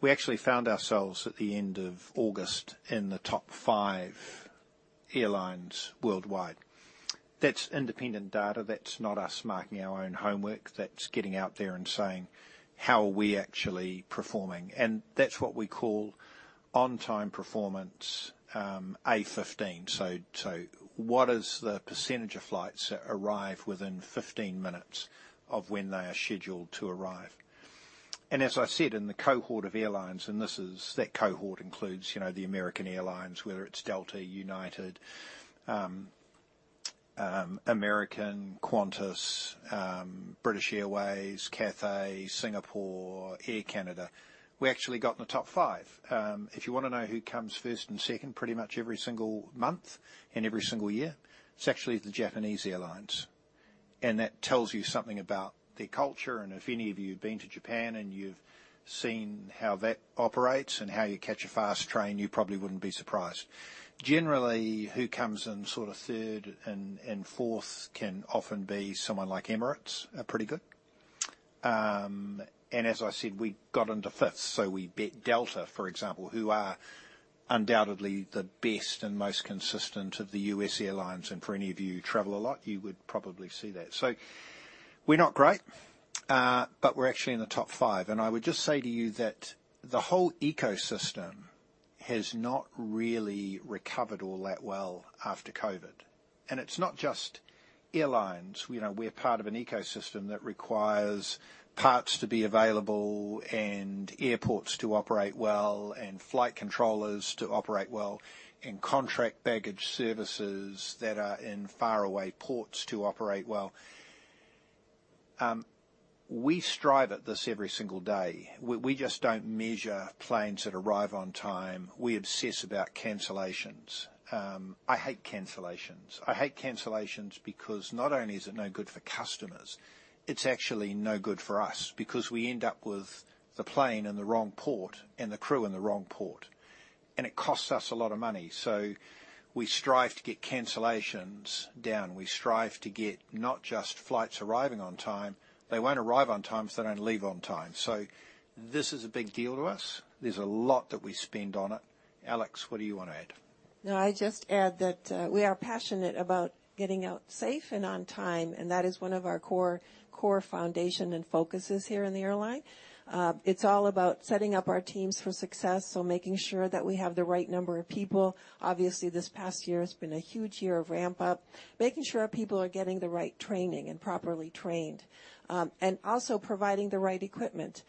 we actually found ourselves, at the end of August, in the top 5 airlines worldwide. That's independent data. That's not us marking our own homework. That's getting out there and saying: How are we actually performing? And that's what we call on-time performance, A15. So, what is the percentage of flights that arrive within 15 minutes of when they are scheduled to arrive? And as I said, in the cohort of airlines, and this is, that cohort includes, you know, American Airlines, whether it's Delta, United, American, Qantas, British Airways, Cathay, Singapore, Air Canada. We actually got in the top 5. If you wanna know who comes first and second, pretty much every single month and every single year, it's actually the Japanese airlines. That tells you something about their culture, and if any of you have been to Japan, and you've seen how that operates and how you catch a fast train, you probably wouldn't be surprised. Generally, who comes in sort of third and fourth can often be someone like Emirates, are pretty good. As I said, we got into fifth, so we beat Delta, for example, who are undoubtedly the best and most consistent of the U.S. airlines, and for any of you who travel a lot, you would probably see that. So we're not great, but we're actually in the top five, and I would just say to you that the whole ecosystem has not really recovered all that well after COVID. And it's not just airlines. You know, we're part of an ecosystem that requires parts to be available and airports to operate well, and flight controllers to operate well, and contract baggage services that are in faraway ports to operate well. We strive at this every single day. We just don't measure planes that arrive on time. We obsess about cancellations. I hate cancellations. I hate cancellations because not only is it no good for customers, it's actually no good for us, because we end up with the plane in the wrong port and the crew in the wrong port, and it costs us a lot of money. So we strive to get cancellations down. We strive to get not just flights arriving on time. They won't arrive on time if they don't leave on time. So this is a big deal to us. There's a lot that we spend on it. Alex, what do you want to add?...
No, I just add that, we are passionate about getting out safe and on time, and that is one of our core, core foundation and focuses here in the airline. It's all about setting up our teams for success, so making sure that we have the right number of people. Obviously, this past year has been a huge year of ramp up. Making sure our people are getting the right training and properly trained, and also providing the right equipment.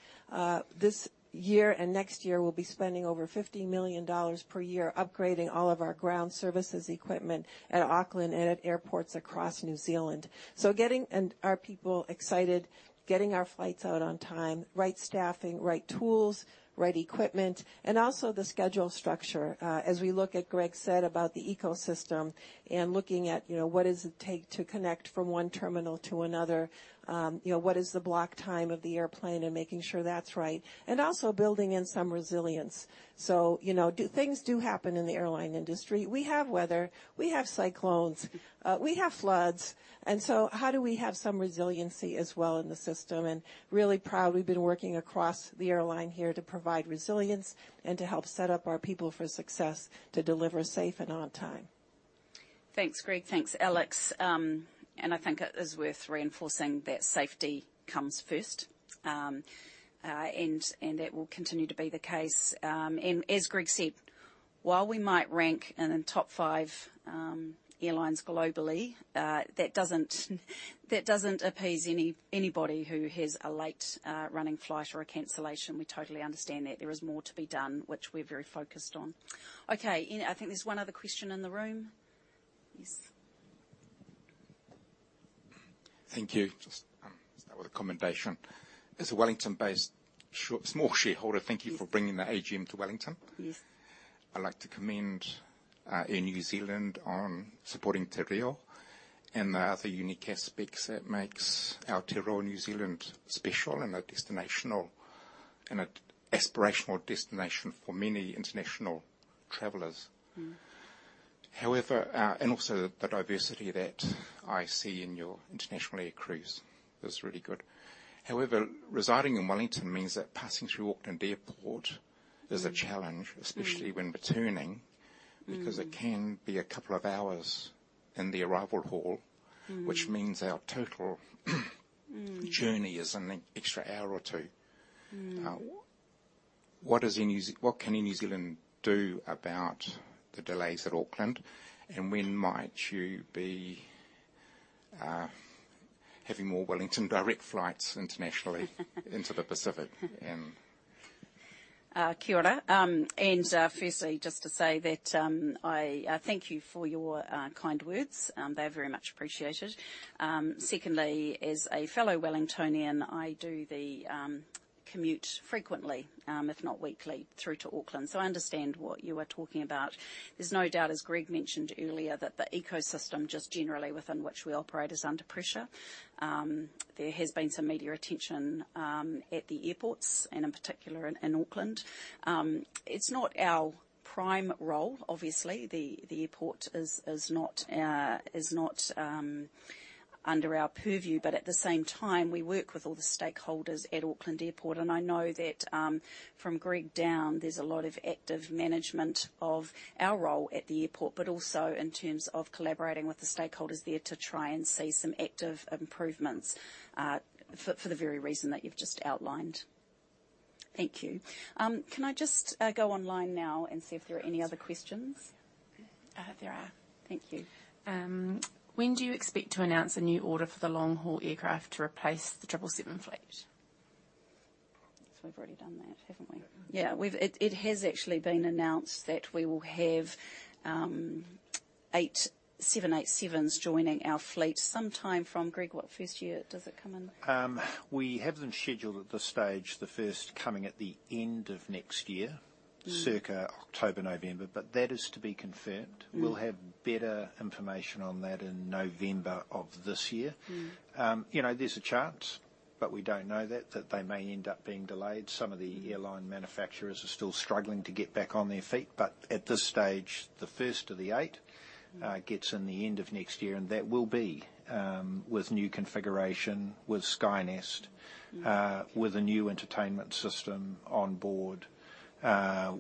This year and next year, we'll be spending over 50 million dollars per year upgrading all of our ground services equipment at Auckland and at airports across New Zealand. So getting, and our people excited, getting our flights out on time, right staffing, right tools, right equipment, and also the schedule structure. As we look at, Greg said about the ecosystem and looking at, you know, what does it take to connect from one terminal to another? You know, what is the block time of the airplane? And making sure that's right. And also building in some resilience. So, you know, things do happen in the airline industry. We have weather, we have cyclones, we have floods, and so how do we have some resiliency as well in the system? And really proud, we've been working across the airline here to provide resilience and to help set up our people for success, to deliver safe and on time.
Thanks, Greg. Thanks, Alex. And I think it is worth reinforcing that safety comes first. And that will continue to be the case. And as Greg said, while we might rank in the top five airlines globally, that doesn't appease anybody who has a late running flight or a cancellation. We totally understand that there is more to be done, which we're very focused on. Okay, and I think there's one other question in the room. Yes.
Thank you. Just start with a commendation. As a Wellington-based small shareholder, thank you for bringing the AGM to Wellington.
Yes.
I'd like to commend, Air New Zealand on supporting te reo and the other unique aspects that makes Aotearoa New Zealand special, and a destinational, and a aspirational destination for many international travelers.
Mm-hmm.
However, and also, the diversity that I see in your international air crews is really good. However, residing in Wellington means that passing through Auckland Airport is a challenge-
Mm.
especially when returning
Mm.
because it can be a couple of hours in the arrival hall.
Mm.
which means our total
Mm.
journey is an extra hour or two.
Mm.
What can Air New Zealand do about the delays at Auckland, and when might you be having more Wellington direct flights internationally into the Pacific? And...
Kia ora. Firstly, just to say that, I thank you for your kind words. They're very much appreciated. Secondly, as a fellow Wellingtonian, I do the commute frequently, if not weekly, through to Auckland, so I understand what you are talking about. There's no doubt, as Greg mentioned earlier, that the ecosystem, just generally within which we operate, is under pressure. There has been some media attention at the airports and in particular in Auckland. It's not our prime role, obviously, the airport is not under our purview, but at the same time, we work with all the stakeholders at Auckland Airport. And I know that, from Greg down, there's a lot of active management of our role at the airport, but also in terms of collaborating with the stakeholders there to try and see some active improvements, for the very reason that you've just outlined. Thank you. Can I just go online now and see if there are any other questions? There are. Thank you. When do you expect to announce a new order for the long-haul aircraft to replace the 777 fleet? So we've already done that, haven't we?
Yeah.
Yeah, it has actually been announced that we will have 8 787s joining our fleet sometime from, Greg, what first year does it come in?
We have them scheduled at this stage, the first coming at the end of next year-
Mm...
circa October, November, but that is to be confirmed.
Mm.
We'll have better information on that in November of this year.
Mm.
You know, there's a chance, but we don't know that, that they may end up being delayed. Some of the airline manufacturers are still struggling to get back on their feet, but at this stage, the first of the eight gets in the end of next year, and that will be with new configuration, with SkyNest-
Mm...
with a new entertainment system on board,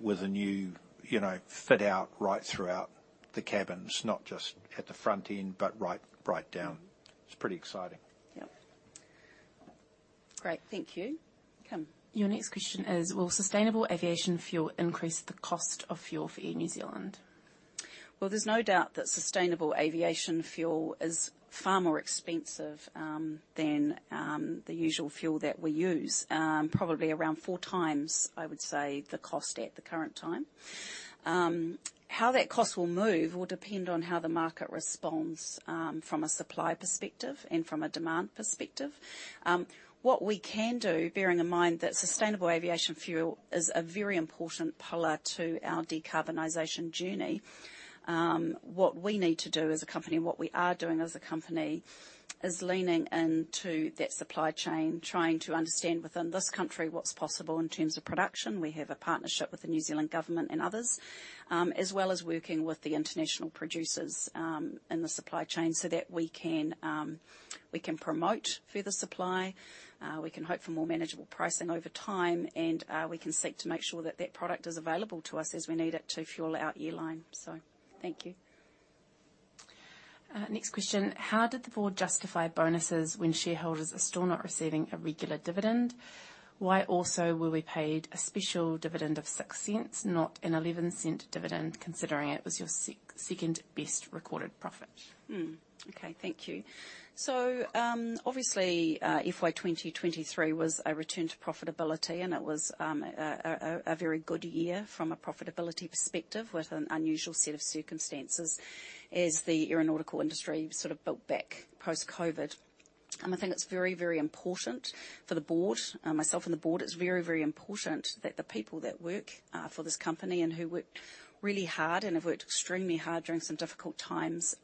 with a new, you know, fit out right throughout the cabins, not just at the front end, but right, right down. It's pretty exciting.
Yep. Great, thank you. Kim?
Your next question is: Will sustainable aviation fuel increase the cost of fuel for Air New Zealand?
Well, there's no doubt that sustainable aviation fuel is far more expensive than the usual fuel that we use. Probably around four times, I would say, the cost at the current time. How that cost will move will depend on how the market responds from a supply perspective and from a demand perspective. What we can do, bearing in mind that sustainable aviation fuel is a very important pillar to our decarbonization journey, what we need to do as a company, and what we are doing as a company, is leaning into that supply chain, trying to understand within this country what's possible in terms of production. We have a partnership with the New Zealand government and others, as well as working with the international producers, in the supply chain, so that we can, we can promote further supply, we can hope for more manageable pricing over time, and, we can seek to make sure that that product is available to us as we need it to fuel our airline. So thank you....
Next question: How did the board justify bonuses when shareholders are still not receiving a regular dividend? Why also were we paid a special dividend of 0.06, not an 0.11 dividend, considering it was your second-best recorded profit?
Hmm. Okay, thank you. So, obviously, FY 2023 was a return to profitability, and it was a very good year from a profitability perspective, with an unusual set of circumstances as the aeronautical industry sort of built back post-COVID. And I think it's very, very important for the board, myself and the board, it's very, very important that the people that work for this company and who worked really hard and have worked extremely hard during some difficult times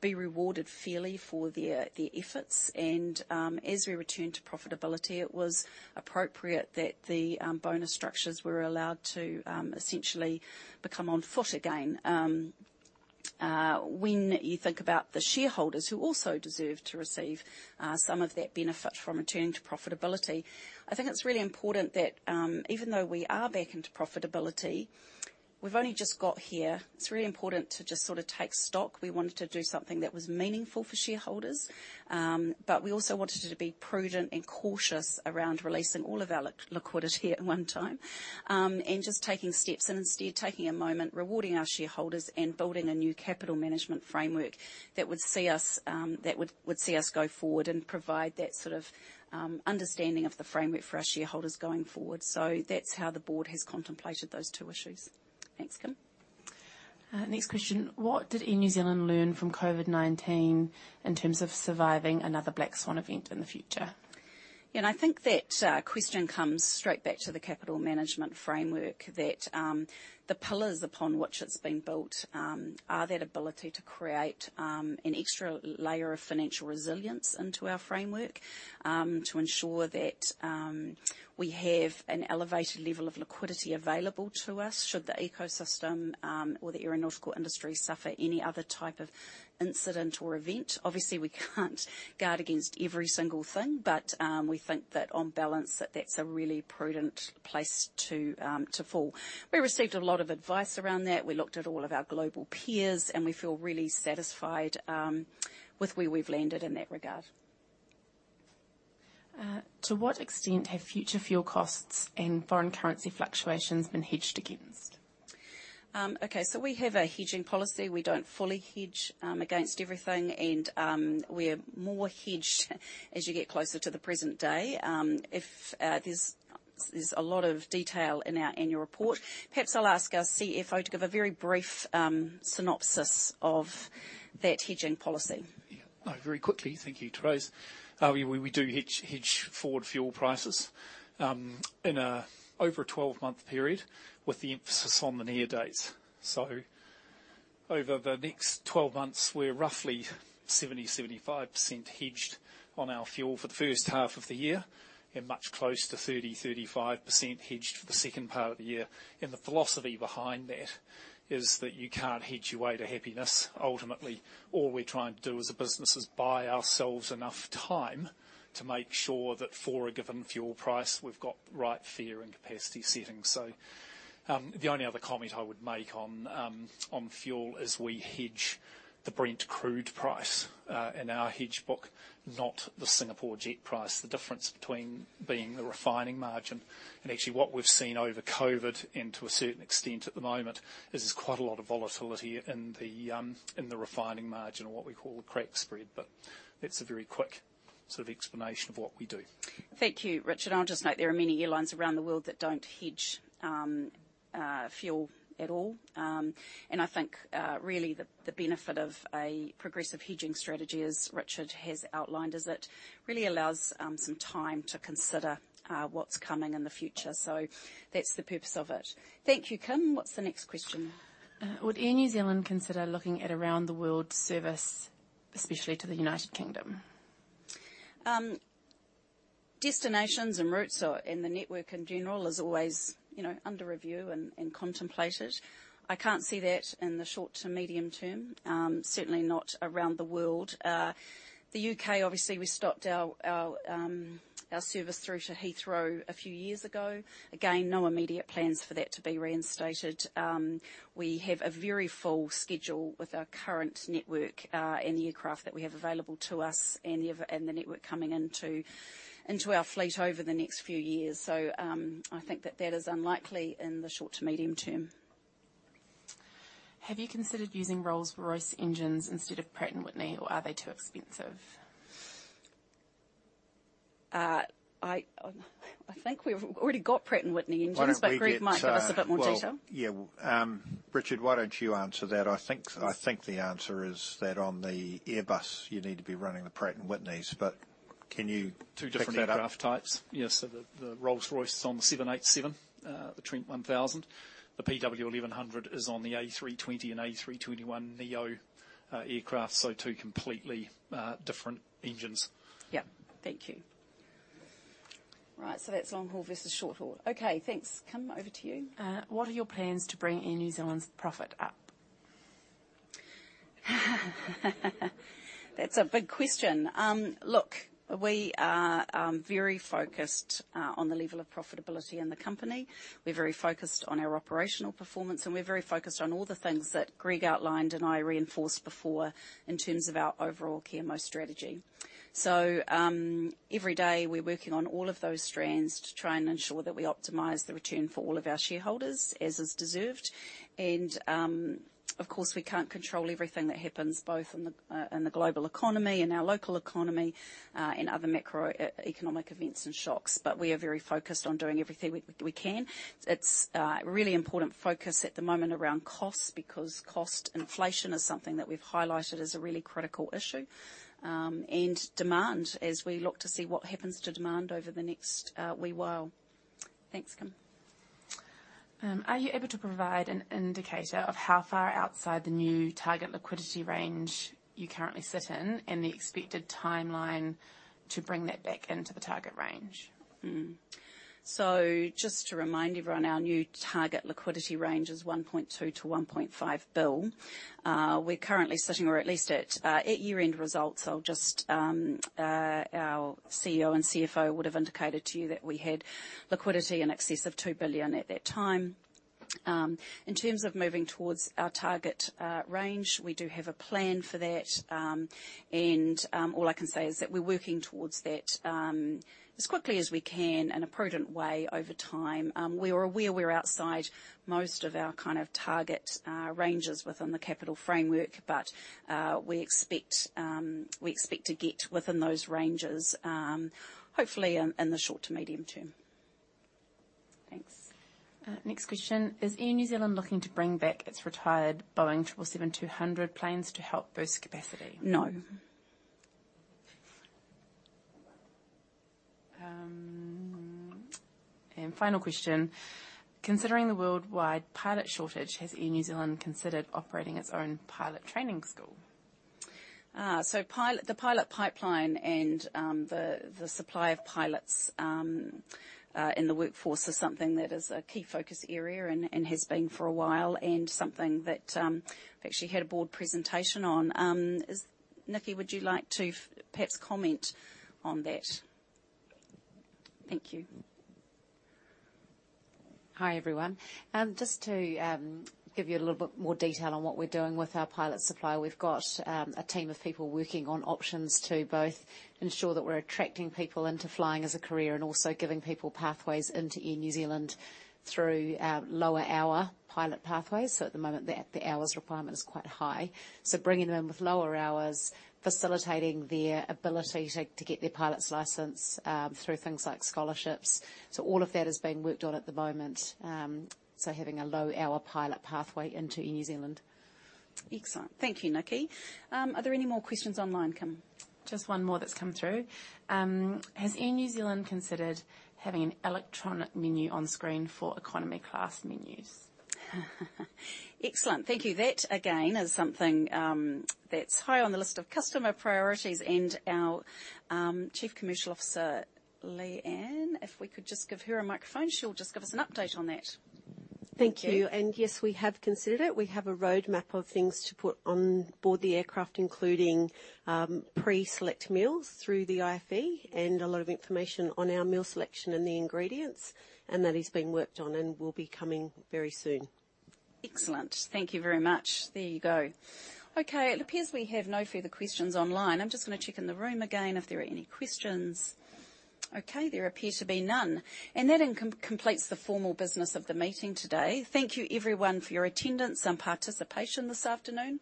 be rewarded fairly for their efforts. And, as we return to profitability, it was appropriate that the bonus structures were allowed to essentially become on foot again. When you think about the shareholders, who also deserve to receive some of that benefit from returning to profitability, I think it's really important that even though we are back into profitability, we've only just got here. It's really important to just sort of take stock. We wanted to do something that was meaningful for shareholders, but we also wanted to be prudent and cautious around releasing all of our liquidity at one time. And just taking steps and instead taking a moment, rewarding our shareholders, and building a new capital management framework that would see us that would see us go forward and provide that sort of understanding of the framework for our shareholders going forward. So that's how the board has contemplated those two issues. Thanks, Kim.
Next question: What did Air New Zealand learn from COVID-19 in terms of surviving another black swan event in the future?
Yeah, and I think that question comes straight back to the capital management framework, that the pillars upon which it's been built are that ability to create an extra layer of financial resilience into our framework. To ensure that we have an elevated level of liquidity available to us, should the ecosystem or the aeronautical industry suffer any other type of incident or event. Obviously, we can't guard against every single thing, but we think that on balance, that's a really prudent place to fall. We received a lot of advice around that. We looked at all of our global peers, and we feel really satisfied with where we've landed in that regard.
To what extent have future fuel costs and foreign currency fluctuations been hedged against?
Okay, so we have a hedging policy. We don't fully hedge against everything, and we're more hedged as you get closer to the present day. If there's a lot of detail in our annual report. Perhaps I'll ask our CFO to give a very brief synopsis of that hedging policy.
Yeah. Very quickly. Thank you, Therese. We do hedge forward fuel prices in over a 12-month period, with the emphasis on the near dates. So over the next 12 months, we're roughly 75% hedged on our fuel for the first half of the year, and much close to 35% hedged for the second part of the year. The philosophy behind that is that you can't hedge your way to happiness. Ultimately, all we're trying to do as a business is buy ourselves enough time to make sure that for a given fuel price, we've got the right fare and capacity settings. So, the only other comment I would make on fuel is we hedge the Brent crude price in our hedge book, not the Singapore jet price. The difference between the refining margin and actually what we've seen over COVID, and to a certain extent at the moment, is there's quite a lot of volatility in the refining margin, or what we call the crack spread. But that's a very quick sort of explanation of what we do.
Thank you, Richard. I'll just note, there are many airlines around the world that don't hedge fuel at all. I think really, the benefit of a progressive hedging strategy, as Richard has outlined, is it really allows some time to consider what's coming in the future. So that's the purpose of it. Thank you, Kim. What's the next question?
Would Air New Zealand consider looking at around the world service, especially to the United Kingdom?
Destinations and routes are, in the network in general, is always, you know, under review and contemplated. I can't see that in the short to medium term. Certainly not around the world. The U.K., obviously, we stopped our service through to Heathrow a few years ago. Again, no immediate plans for that to be reinstated. We have a very full schedule with our current network, and the aircraft that we have available to us and the network coming into our fleet over the next few years. So, I think that that is unlikely in the short to medium term.
Have you considered using Rolls-Royce engines instead of Pratt & Whitney, or are they too expensive?
I think we've already got Pratt & Whitney engines-
Why don't we get-
Greg might give us a bit more detail.
Well, yeah, Richard, why don't you answer that? I think, I think the answer is that on the Airbus, you need to be running the Pratt & Whitneys, but can you-
Two different-
Pick that up?...
aircraft types. Yes, so the Rolls-Royce is on the 787, the Trent 1000. The PW1100 is on the A320 and A321neo aircraft, so two completely different engines.
Yeah. Thank you. Right, so that's long haul versus short haul. Okay, thanks. Kim, over to you.
What are your plans to bring Air New Zealand's profit up?
That's a big question. Look, we are very focused on the level of profitability in the company. We're very focused on our operational performance, and we're very focused on all the things that Greg outlined and I reinforced before in terms of our overall Care Most strategy. So, every day, we're working on all of those strands to try and ensure that we optimize the return for all of our shareholders, as is deserved. And, of course, we can't control everything that happens, both in the global economy and our local economy, and other macroeconomic events and shocks. But we are very focused on doing everything we can. It's a really important focus at the moment around costs, because cost inflation is something that we've highlighted as a really critical issue, and demand, as we look to see what happens to demand over the next wee while. Thanks, Kim.
Are you able to provide an indicator of how far outside the new target liquidity range you currently sit in, and the expected timeline to bring that back into the target range?
Mm-hmm. So just to remind everyone, our new target liquidity range is 1.2 billion-1.5 billion. We're currently sitting, or at least at year-end results. I'll just... Our CEO and CFO would have indicated to you that we had liquidity in excess of 2 billion at that time. In terms of moving towards our target range, we do have a plan for that. And all I can say is that we're working towards that as quickly as we can in a prudent way over time. We are aware we're outside most of our kind of target ranges within the capital framework, but we expect to get within those ranges, hopefully in the short to medium term. Thanks.
Next question: Is Air New Zealand looking to bring back its retired Boeing 777-200 planes to help boost capacity?
No.
Final question: Considering the worldwide pilot shortage, has Air New Zealand considered operating its own pilot training school?
So, the pilot pipeline and the supply of pilots in the workforce is something that is a key focus area and has been for a while, and something that we actually had a board presentation on. Is, Nikki, would you like to perhaps comment on that? Thank you.
Hi, everyone. Just to give you a little bit more detail on what we're doing with our pilot supply. We've got a team of people working on options to both ensure that we're attracting people into flying as a career, and also giving people pathways into Air New Zealand through our lower-hour pilot pathways. So at the moment, the hours requirement is quite high. So bringing them in with lower hours, facilitating their ability to get their pilot's license through things like scholarships. So all of that is being worked on at the moment, so having a low-hour pilot pathway into Air New Zealand.
Excellent. Thank you, Nikki. Are there any more questions online, Kim?
Just one more that's come through. Has Air New Zealand considered having an electronic menu on screen for economy class menus?
Excellent. Thank you. That, again, is something that's high on the list of customer priorities, and our Chief Commercial Officer, Leanne, if we could just give her a microphone, she'll just give us an update on that.
Thank you. Yes, we have considered it. We have a roadmap of things to put on board the aircraft, including pre-select meals through the IFE and a lot of information on our meal selection and the ingredients. That is being worked on and will be coming very soon.
Excellent. Thank you very much. There you go. Okay, it appears we have no further questions online. I'm just going to check in the room again if there are any questions. Okay, there appear to be none, and that then completes the formal business of the meeting today. Thank you, everyone, for your attendance and participation this afternoon.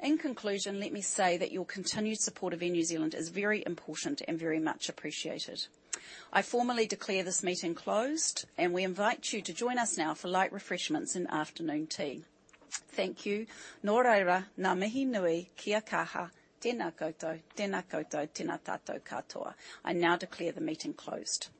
In conclusion, let me say that your continued support of Air New Zealand is very important and very much appreciated. I formally declare this meeting closed, and we invite you to join us now for light refreshments and afternoon tea. Thank you. Tēnā koutou, tēnā koutou, tēnā tātou katoa. I now declare the meeting closed.